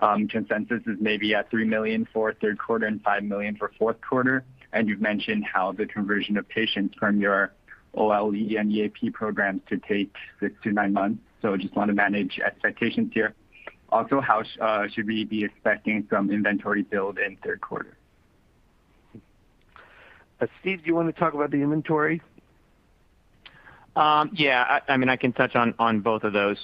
Consensus is maybe at $3 million for third quarter and $5 million for fourth quarter, and you've mentioned how the conversion of patients from your OLE and EAP programs could take six to nine months. Just want to manage expectations here. Also, how should we be expecting some inventory build in third quarter? Steve, do you want to talk about the inventory? Yeah. I mean, I can touch on both of those.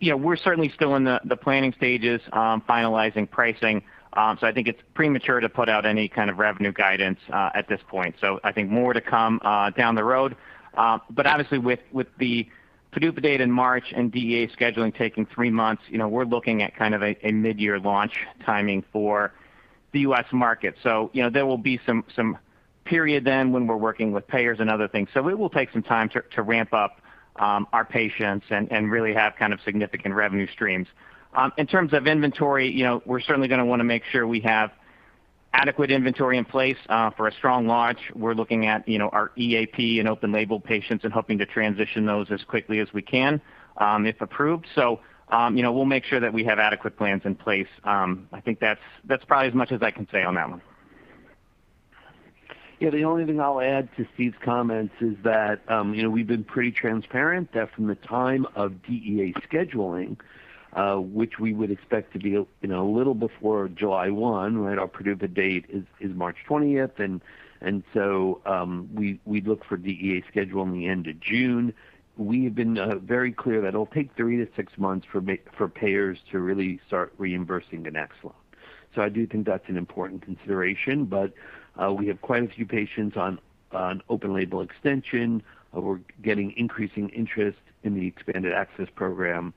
Yeah, we're certainly still in the planning stages, finalizing pricing. I think it's premature to put out any kind of revenue guidance at this point. I think more to come down the road. But obviously with the PDUFA date in March and DEA scheduling taking three months, you know, we're looking at kind of a midyear launch timing for the U.S. market. You know, there will be some period then when we're working with payers and other things. It will take some time to ramp up our patients and really have kind of significant revenue streams. In terms of inventory, you know, we're certainly going to want to make sure we have adequate inventory in place for a strong launch. We're looking at, you know, our EAP and open label patients and hoping to transition those as quickly as we can, if approved. You know, we'll make sure that we have adequate plans in place. I think that's probably as much as I can say on that one. Yeah. The only thing I'll add to Steve's comments is that, you know, we've been pretty transparent that from the time of DEA scheduling, which we would expect to be a little before 1st July, right? Our PDUFA date is 2oth March. We'd look for DEA scheduling in the end of June. We have been very clear that it'll take 3-6 months for payers to really start reimbursing ganaxolone. I do think that's an important consideration. We have quite a few patients on open-label extension. We're getting increasing interest in the expanded access program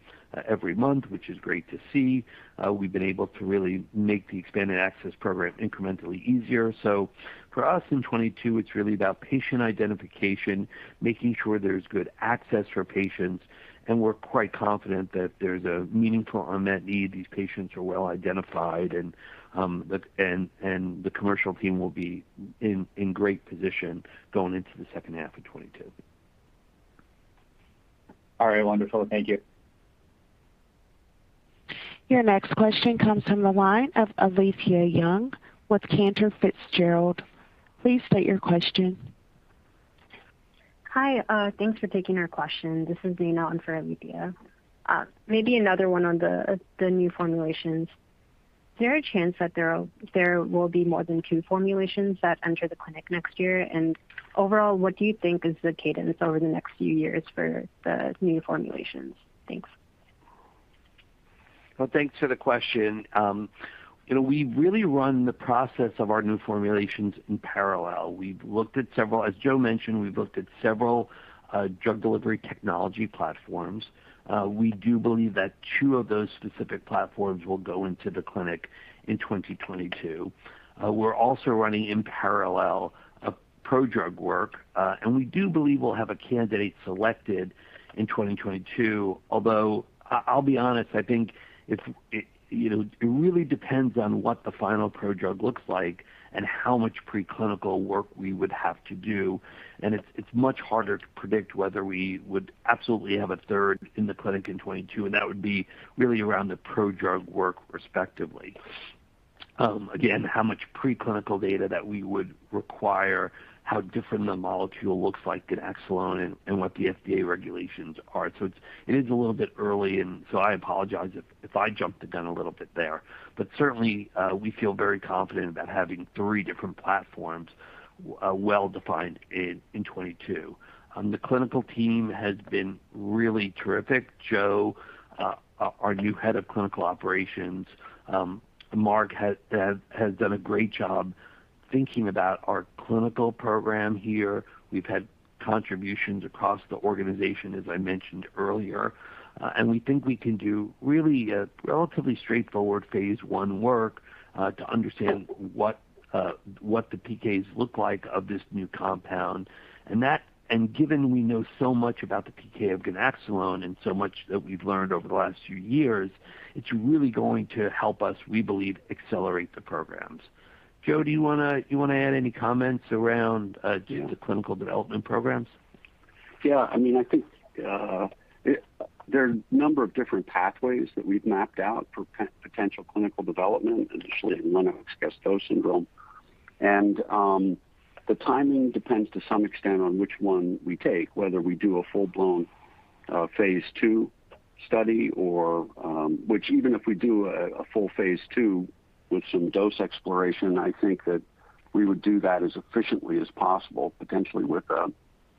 every month, which is great to see. We've been able to really make the expanded access program incrementally easier. For us in 2022, it's really about patient identification, making sure there's good access for patients, and we're quite confident that there's a meaningful unmet need. These patients are well identified, and the commercial team will be in great position going into the second half of 2022. All right. Wonderful. Thank you. Your next question comes from the line of Alethia Young with Cantor Fitzgerald. Please state your question. Hi. Thanks for taking our question. This is Dina on for Alethia. Maybe another one on the new formulations. Is there a chance that there will be more than two formulations that enter the clinic next year? And overall, what do you think is the cadence over the next few years for the new formulations? Thanks. Well, thanks for the question. You know, we really run the process of our new formulations in parallel. As Joe mentioned, we've looked at several drug delivery technology platforms. We do believe that two of those specific platforms will go into the clinic in 2022. We're also running in parallel a prodrug work, and we do believe we'll have a candidate selected in 2022. Although, I'll be honest, I think it you know it really depends on what the final prodrug looks like and how much preclinical work we would have to do, and it's much harder to predict whether we would absolutely have a third in the clinic in 2022, and that would be really around the prodrug work respectively. Again, how much preclinical data that we would require, how different the molecule looks like in ganaxolone and what the FDA regulations are. It is a little bit early, and I apologize if I jumped the gun a little bit there. Certainly, we feel very confident about having three different platforms well defined in 2022. The clinical team has been really terrific. Joe, our new head of clinical operations, Mark has done a great job thinking about our clinical program here. We've had contributions across the organization, as I mentioned earlier. We think we can do really a relatively straightforward phase I work to understand what the PK looks like of this new compound. Given we know so much about the PK of Ganaxolone and so much that we've learned over the last few years, it's really going to help us, we believe, accelerate the programs. Joe, do you wanna add any comments around our two clinical development programs? Yeah. I mean, I think, there are a number of different pathways that we've mapped out for potential clinical development, additionally, in Lennox-Gastaut syndrome. The timing depends to some extent on which one we take, whether we do a full-blown phase II study or even if we do a full phase II with some dose exploration. I think that we would do that as efficiently as possible, potentially with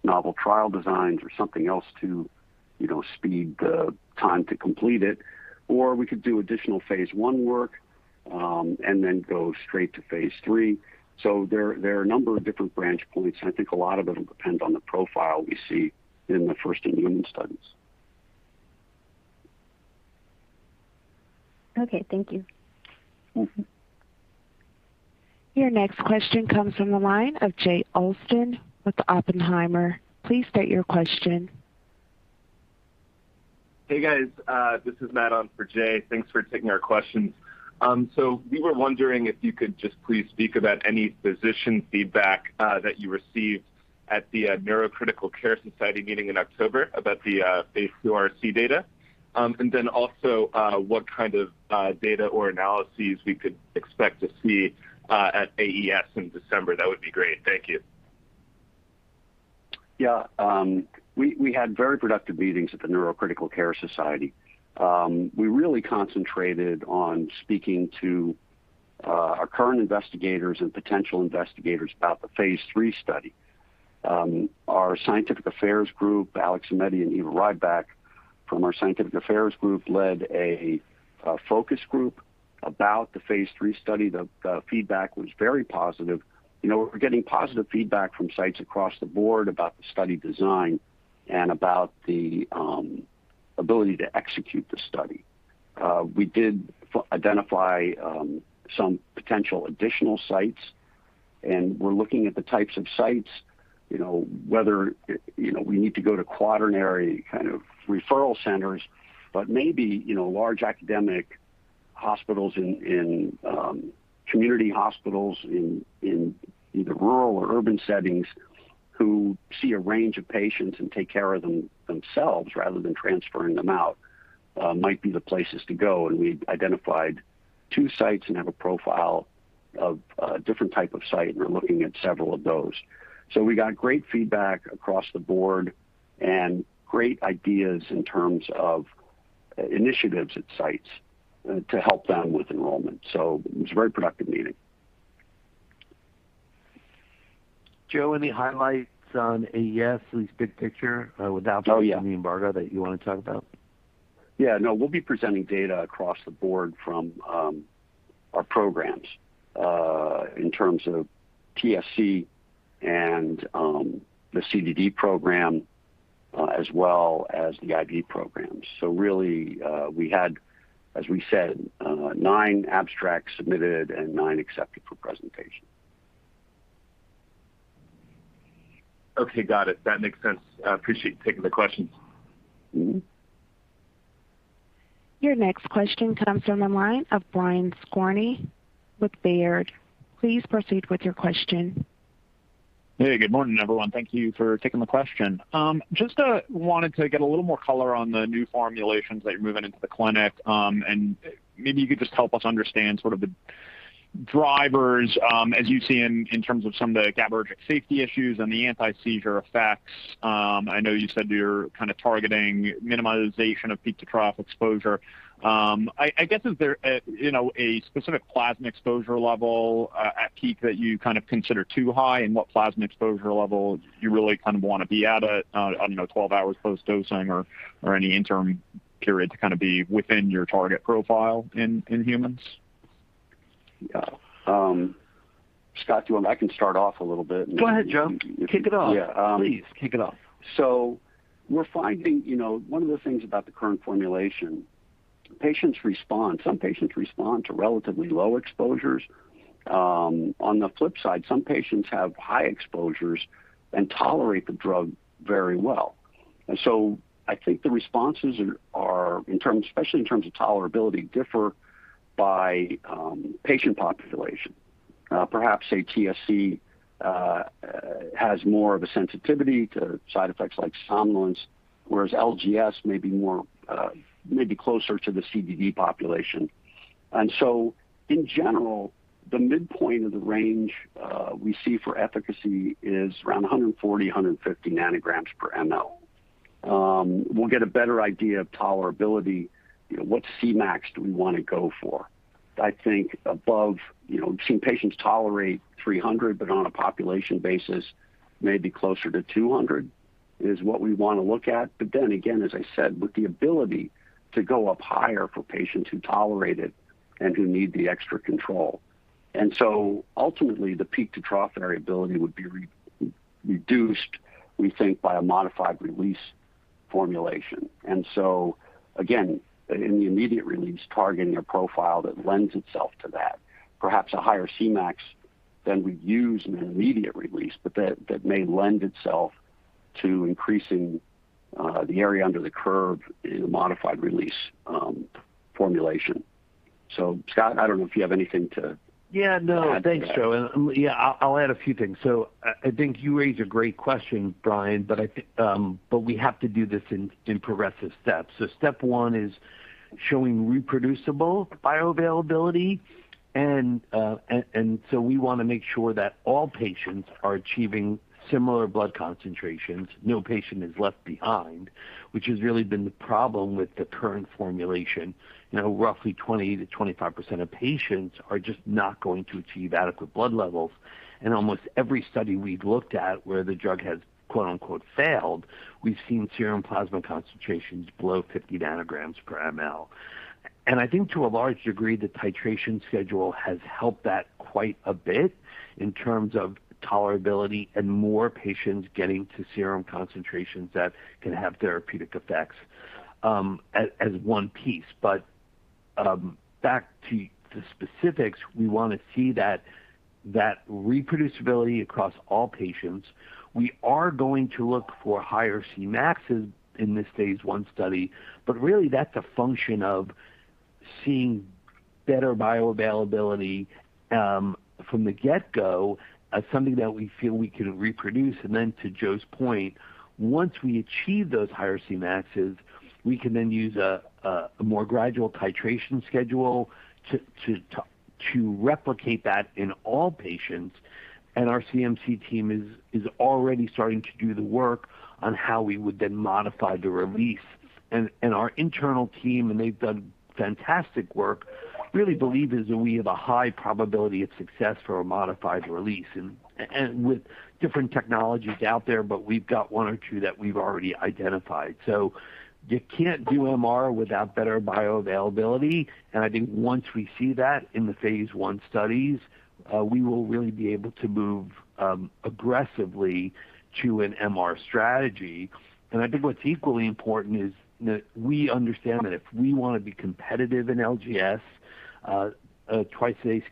novel trial designs or something else to, you know, speed the time to complete it, or we could do additional phase I work and then go straight to phase III. There are a number of different branch points, and I think a lot of it will depend on the profile we see in the first human studies. Okay. Thank you. Your next question comes from the line of Jay Olson with Oppenheimer. Please state your question. Hey, guys. This is Matt on for Jay. Thanks for taking our questions. We were wondering if you could just please speak about any physician feedback that you received at the Neurocritical Care Society meeting in October about the phase II RSE data. Also, what kind of data or analyses we could expect to see at AES in December. That would be great. Thank you. Yeah. We had very productive meetings at the Neurocritical Care Society. We really concentrated on speaking to our current investigators and potential investigators about the phase III study. Our scientific affairs group, Alex Aimetti and Eva Rybak, from our scientific affairs group, led a focus group about the phase III study. The feedback was very positive. You know, we're getting positive feedback from sites across the board about the study design and about the ability to execute the study. We did identify some potential additional sites, and we're looking at the types of sites, you know, whether you know, we need to go to quaternary kind of referral centers, but maybe, you know, large academic hospitals in community hospitals in either rural or urban settings who see a range of patients and take care of them themselves rather than transferring them out might be the places to go. We identified two sites and have a profile of a different type of site, and we're looking at several of those. We got great feedback across the board and great ideas in terms of initiatives at sites to help them with enrollment. It was a very productive meeting. Joe, any highlights on AES, at least big picture, without- Oh, yeah. the embargo that you wanna talk about? Yeah. No, we'll be presenting data across the board from our programs in terms of TSC and the CDD program as well as the IV programs. Really, we had, as we said, nine abstracts submitted and nine accepted for presentation. Okay. Got it. That makes sense. I appreciate you taking the questions. Your next question comes from the line of Brian Skorney with Baird. Please proceed with your question. Hey, good morning, everyone. Thank you for taking the question. Just wanted to get a little more color on the new formulations that you're moving into the clinic. Maybe you could just help us understand sort of the drivers as you see in terms of some of the GABAergic safety issues and the anti-seizure effects. I know you said you're kinda targeting minimization of peak to trough exposure. I guess is there you know a specific plasma exposure level at peak that you kind of consider too high and what plasma exposure level you really kind of wanna be at it on 12 hours post-dosing or any interim period to kinda be within your target profile in humans? Yeah. I can start off a little bit. Go ahead, Joe. If, if- Kick it off. Yeah. Please, kick it off. We're finding, you know, one of the things about the current formulation, patients respond. Some patients respond to relatively low exposures. On the flip side, some patients have high exposures and tolerate the drug very well. I think the responses, especially in terms of tolerability, differ by patient population. Perhaps TSC has more of a sensitivity to side effects like somnolence, whereas LGS may be closer to the CBD population. In general, the midpoint of the range we see for efficacy is around 140-150 nanograms per mL. We'll get a better idea of tolerability. You know, what Cmax do we want to go for? I think above, you know, we've seen patients tolerate 300, but on a population basis, maybe closer to 200 is what we want to look at. Then again, as I said, with the ability to go up higher for patients who tolerate it and who need the extra control. Ultimately the peak to trough variability would be re-reduced, we think, by a modified release formulation. Again, in the immediate release targeting a profile that lends itself to that, perhaps a higher Cmax than we use in an immediate release. That may lend itself to increasing the area under the curve in a modified release formulation. Scott, I don't know if you have anything to Yeah, no. Add to that. Thanks, Joe. Yeah, I'll add a few things. I think you raise a great question, Brian, but I think, but we have to do this in progressive steps. Step one is showing reproducible bioavailability and so we wanna make sure that all patients are achieving similar blood concentrations. No patient is left behind, which has really been the problem with the current formulation. You know, roughly 20%-25% of patients are just not going to achieve adequate blood levels. In almost every study we've looked at where the drug has quote-unquote, failed, we've seen serum plasma concentrations below 50 nanograms per mL. I think to a large degree, the titration schedule has helped that quite a bit in terms of tolerability and more patients getting to serum concentrations that can have therapeutic effects, as one piece. Back to the specifics, we wanna see that reproducibility across all patients. We are going to look for higher Cmaxes in this phase I study, but really that's a function of seeing better bioavailability from the get-go as something that we feel we can reproduce. To Joe's point, once we achieve those higher Cmaxes, we can then use a more gradual titration schedule to replicate that in all patients. Our CMC team is already starting to do the work on how we would then modify the release. Our internal team, and they've done fantastic work, really believe that we have a high probability of success for a modified release and with different technologies out there. We've got one or two that we've already identified. You can't do MR without better bioavailability. I think once we see that in the phase I studies, we will really be able to move aggressively to an MR strategy. I think what's equally important is that we understand that if we want to be competitive in LGS, a twice a day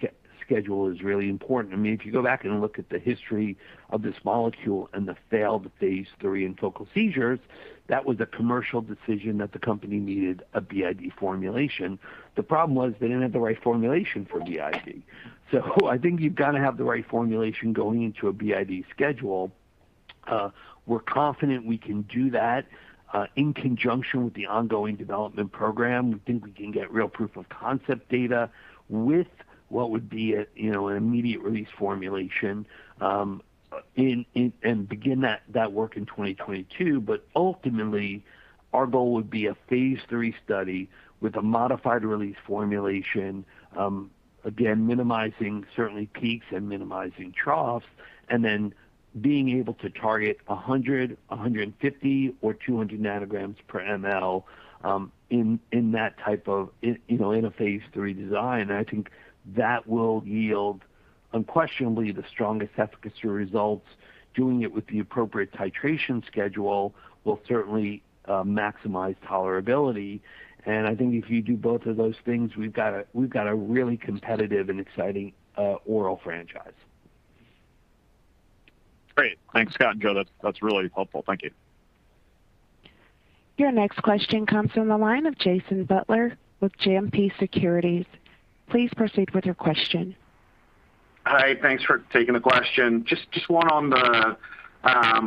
schedule is really important. I mean, if you go back and look at the history of this molecule and the failed phase III in focal seizures, that was a commercial decision that the company needed a BID formulation. The problem was they didn't have the right formulation for BID. I think you've got to have the right formulation going into a BID schedule. We're confident we can do that in conjunction with the ongoing development program. We think we can get real proof of concept data with what would be a, you know, an immediate release formulation, in and begin that work in 2022. Ultimately, our goal would be a phase III study with a modified release formulation. Again, minimizing certainly peaks and minimizing troughs, and then being able to target 100, 150 or 200 ng/mL in that type of, you know, in a phase III design. I think that will yield unquestionably the strongest efficacy results. Doing it with the appropriate titration schedule will certainly maximize tolerability. I think if you do both of those things, we've got a really competitive and exciting oral franchise. Great. Thanks, Scott and Joe. That's really helpful. Thank you. Your next question comes from the line of Jason Butler with JMP Securities. Please proceed with your question. Hi. Thanks for taking the question. Just one on the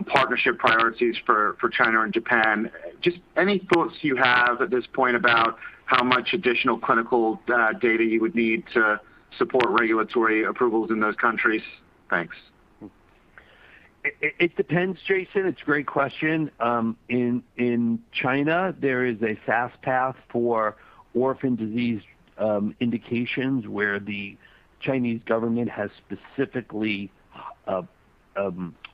partnership priorities for China and Japan. Just any thoughts you have at this point about how much additional clinical data you would need to support regulatory approvals in those countries? Thanks. It depends, Jason. It's a great question. In China, there is a fast path for orphan disease indications where the Chinese government has specifically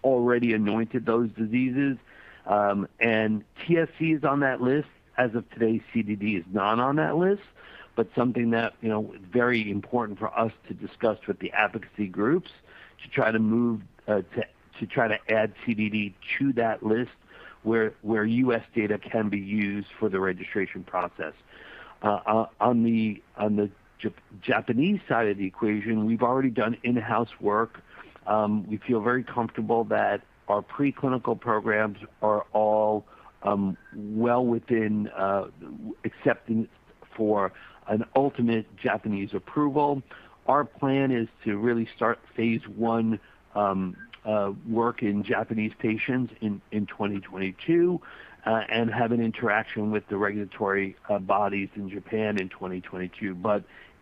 already anointed those diseases. And TSC is on that list. As of today, CDD is not on that list, but something that you know very important for us to discuss with the advocacy groups to try to move to try to add CDD to that list where U.S. data can be used for the registration process. On the Japanese side of the equation, we've already done in-house work. We feel very comfortable that our preclinical programs are all well within acceptance for an ultimate Japanese approval. Our plan is to really start phase I work in Japanese patients in 2022 and have an interaction with the regulatory bodies in Japan in 2022.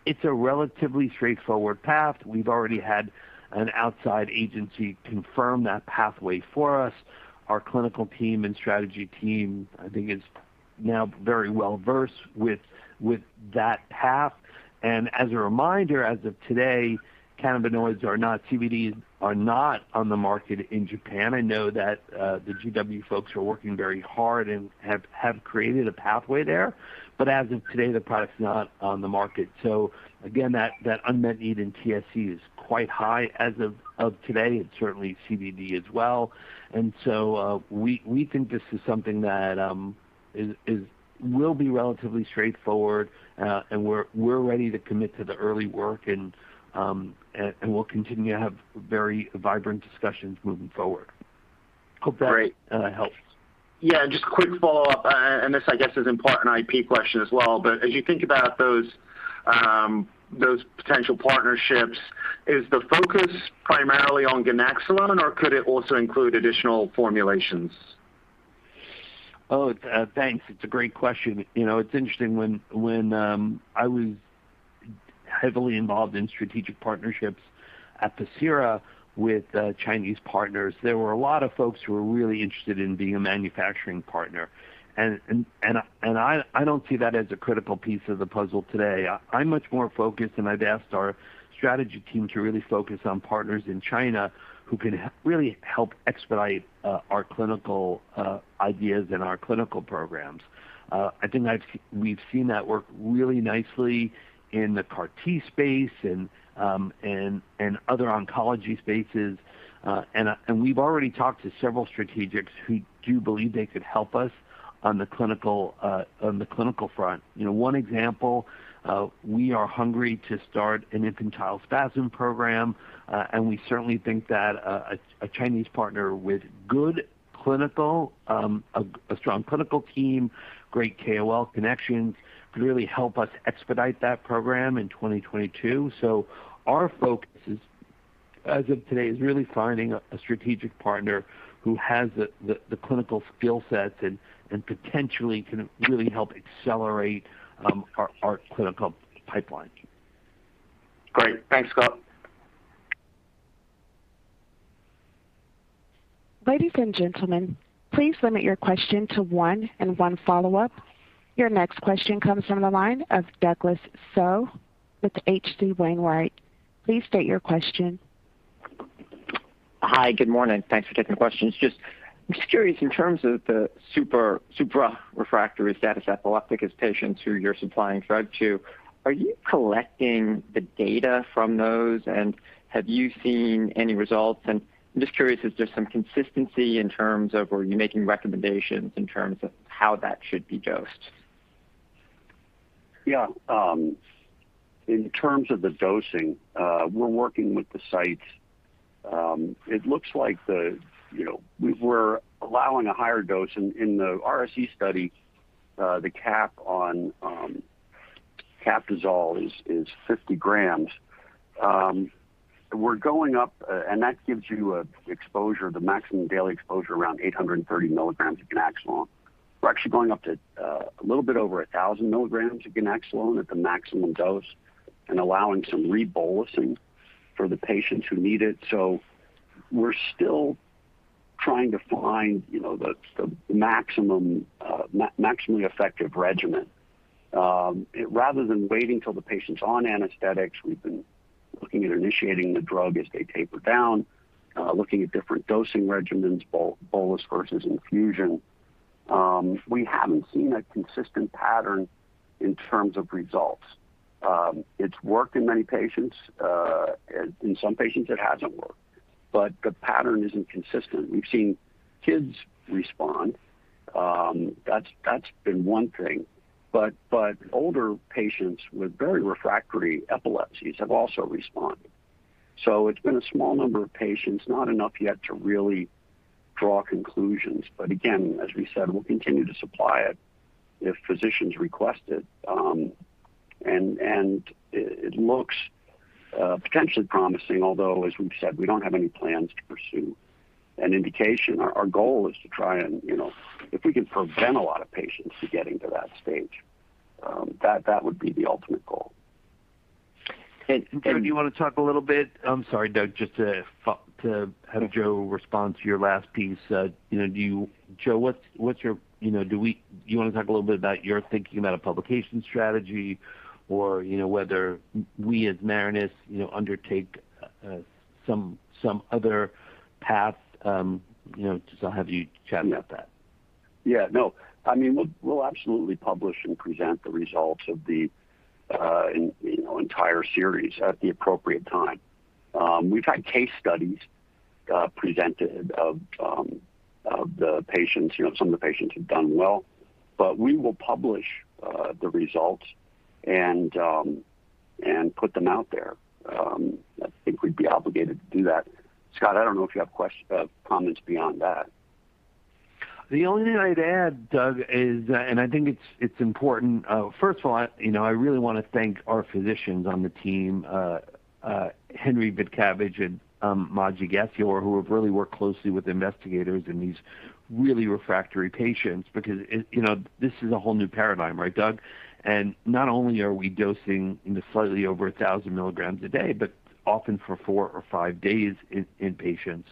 It's a relatively straightforward path. We've already had an outside agency confirm that pathway for us. Our clinical team and strategy team, I think, is now very well-versed with that path. As a reminder, as of today, cannabinoids are not. CBDs are not on the market in Japan. I know that the GW folks are working very hard and have created a pathway there. As of today, the product's not on the market. Again, that unmet need in TSC is quite high as of today, and certainly CBD as well. We think this is something that will be relatively straightforward, and we're ready to commit to the early work and we'll continue to have very vibrant discussions moving forward. Hope that Great. helps. Yeah. Just quick follow-up, and this I guess is an important IP question as well. As you think about those potential partnerships, is the focus primarily on Ganaxolone, or could it also include additional formulations? Thanks. It's a great question. You know, it's interesting, when I was heavily involved in strategic partnerships at Pacira with Chinese partners, there were a lot of folks who were really interested in being a manufacturing partner. I don't see that as a critical piece of the puzzle today. I'm much more focused, and I've asked our strategy team to really focus on partners in China who can really help expedite our clinical ideas and our clinical programs. I think we've seen that work really nicely in the CAR-T space and other oncology spaces. We've already talked to several strategics who do believe they could help us on the clinical front. You know, one example, we are hungry to start an infantile spasms program, and we certainly think that a Chinese partner with good clinical, a strong clinical team, great KOL connections, could really help us expedite that program in 2022. Our focus as of today is really finding a strategic partner who has the clinical skill sets and potentially can really help accelerate our clinical pipeline. Great. Thanks, Scott. Ladies and gentlemen, please limit your question to one and one follow-up. Your next question comes from the line of Douglas Tsao with H.C. Wainwright. Please state your question. Hi. Good morning. Thanks for taking the questions. Just, I'm just curious, in terms of the super-refractory status epilepticus patients who you're supplying drug to, are you collecting the data from those, and have you seen any results? I'm just curious, is there some consistency or are you making recommendations in terms of how that should be dosed? Yeah. In terms of the dosing, we're working with the sites. It looks like, you know, we're allowing a higher dose. In the RSE study, the cap on Captisol is 50 grams. We're going up, and that gives you an exposure, the maximum daily exposure around 830 mg of Ganaxolone. We're actually going up to a little bit over 1,000 milligrams of Ganaxolone at the maximum dose and allowing some rebolusing for the patients who need it. We're still trying to find, you know, the maximum maximally effective regimen. Rather than waiting till the patient's on anesthetics, we've been looking at initiating the drug as they taper down, looking at different dosing regimens, bolus versus infusion. We haven't seen a consistent pattern in terms of results. It's worked in many patients. In some patients, it hasn't worked. The pattern isn't consistent. We've seen kids respond. That's been one thing. Older patients with very refractory epilepsies have also responded. It's been a small number of patients, not enough yet to really draw conclusions. Again, as we said, we'll continue to supply it if physicians request it. And it looks potentially promising, although, as we've said, we don't have any plans to pursue an indication. Our goal is to try and, you know, if we can prevent a lot of patients from getting to that stage, that would be the ultimate goal. And, and- Joe, do you wanna talk a little bit. I'm sorry, Doug, just to have Joe respond to your last piece. You know, Joe, what's your. You know, do you wanna talk a little bit about your thinking about a publication strategy or, you know, whether we as Marinus, you know, undertake some other path, you know, to have you chat about that? Yeah. No. I mean, we'll absolutely publish and present the results of the entire series at the appropriate time. We've had case studies presented of the patients. Some of the patients have done well. We will publish the results and put them out there. I think we'd be obligated to do that. Scott, I don't know if you have comments beyond that. The only thing I'd add, Doug, is that, and I think it's important. First of all, you know, I really wanna thank our physicians on the team, Henry Betcavage and Maji Gethior, who have really worked closely with investigators in these really refractory patients because, you know, this is a whole new paradigm, right, Doug? Not only are we dosing, you know, slightly over 1,000 mg a day, but often for four or five days in patients.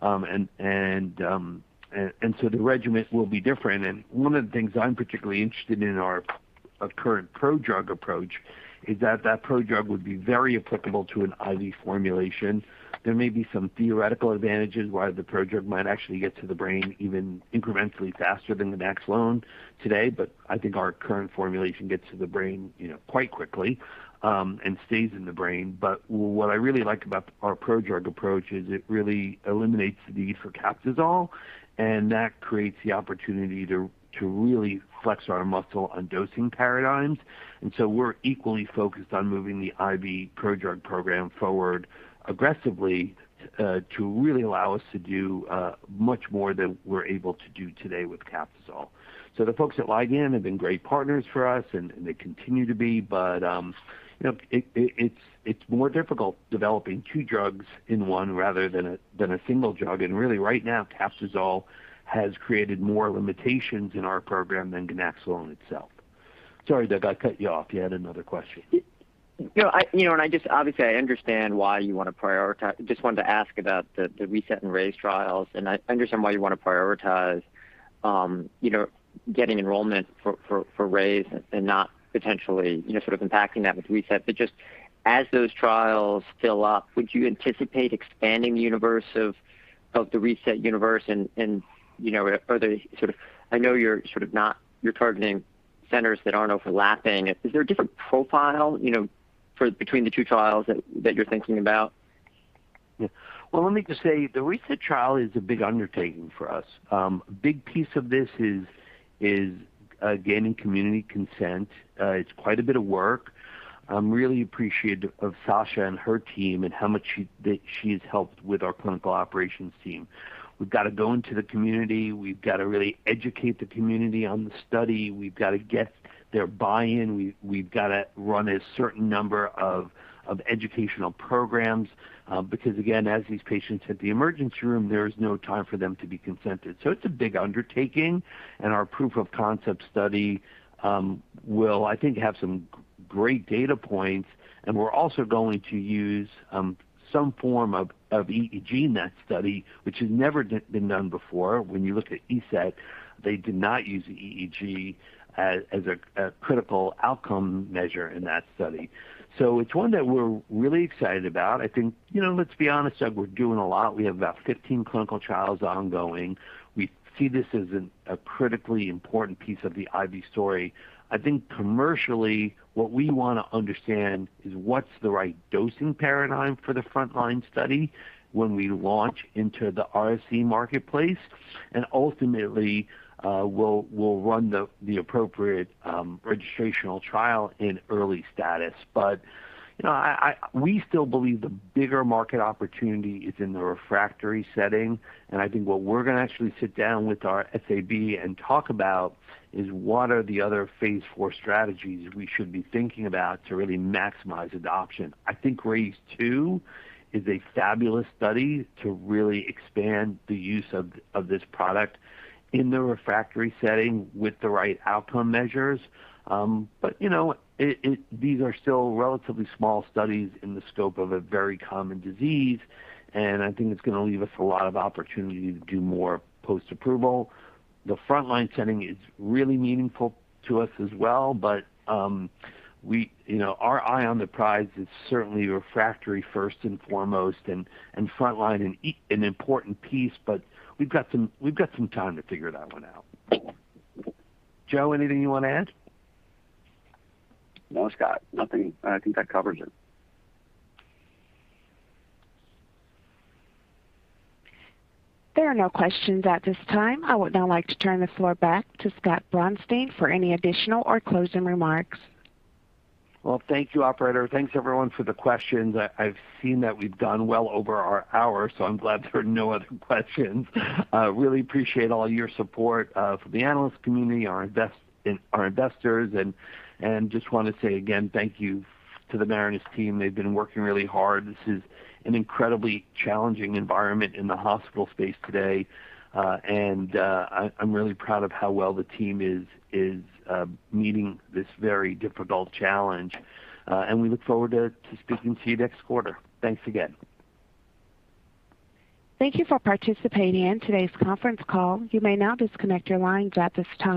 The regimen will be different. One of the things I'm particularly interested in our current prodrug approach is that that prodrug would be very applicable to an IV formulation. There may be some theoretical advantages why the prodrug might actually get to the brain even incrementally faster than the ganaxolone today, but I think our current formulation gets to the brain, you know, quite quickly, and stays in the brain. What I really like about our prodrug approach is it really eliminates the need for Captisol, and that creates the opportunity to really flex our muscle on dosing paradigms. We're equally focused on moving the IV prodrug program forward aggressively to really allow us to do much more than we're able to do today with Captisol. The folks at Ligand have been great partners for us, and they continue to be, but you know, it's more difficult developing two drugs in one rather than a single drug. Really right now, Captisol has created more limitations in our program than ganaxolone itself. Sorry, Doug, I cut you off. You had another question. Obviously, I understand why you wanna prioritize. Just wanted to ask about the RESET and RAISE trials, and I understand why you wanna prioritize getting enrollment for RAISE and not potentially sort of impacting that with RESET. Just as those trials fill up, would you anticipate expanding the universe of the RESET universe and are they sort of targeting centers that aren't overlapping. I know you're targeting centers that aren't overlapping. Is there a different profile between the two trials that you're thinking about? Yeah. Well, let me just say the RESET trial is a big undertaking for us. A big piece of this is gaining community consent. It's quite a bit of work. I'm really appreciative of Sasha and her team and how much she's helped with our clinical operations team. We've gotta go into the community. We've gotta really educate the community on the study. We've gotta get their buy-in. We've gotta run a certain number of educational programs because again, as these patients hit the emergency room, there is no time for them to be consented. It's a big undertaking, and our proof of concept study will, I think, have some great data points, and we're also going to use some form of EEG in that study, which has never been done before. When you look at ESET, they did not use EEG as a critical outcome measure in that study. It's one that we're really excited about. I think, you know, let's be honest, Doug, we're doing a lot. We have about 15 clinical trials ongoing. We see this as a critically important piece of the IV story. I think commercially, what we wanna understand is what's the right dosing paradigm for the frontline study when we launch into the RSE marketplace, and ultimately, we'll run the appropriate registrational trial in early status. You know, we still believe the bigger market opportunity is in the refractory setting, and I think what we're gonna actually sit down with our SAB and talk about is what are the other phase IV strategies we should be thinking about to really maximize adoption. I think RAISE-2 is a fabulous study to really expand the use of this product in the refractory setting with the right outcome measures. You know, these are still relatively small studies in the scope of a very common disease, and I think it's gonna leave us a lot of opportunity to do more post-approval. The frontline setting is really meaningful to us as well, but you know, our eye on the prize is certainly refractory first and foremost and frontline an important piece, but we've got some time to figure that one out. Joe, anything you wanna add? No, Scott. Nothing. I think that covers it. There are no questions at this time. I would now like to turn the floor back to Scott Braunstein for any additional or closing remarks. Well, thank you, operator. Thanks everyone for the questions. I've seen that we've gone well over our hour, so I'm glad there are no other questions. Really appreciate all your support from the analyst community and our investors and just wanna say again thank you to the Marinus team. They've been working really hard. This is an incredibly challenging environment in the hospital space today, and I'm really proud of how well the team is meeting this very difficult challenge, and we look forward to speaking to you next quarter. Thanks again. Thank you for participating in today's conference call. You may now disconnect your lines at this time.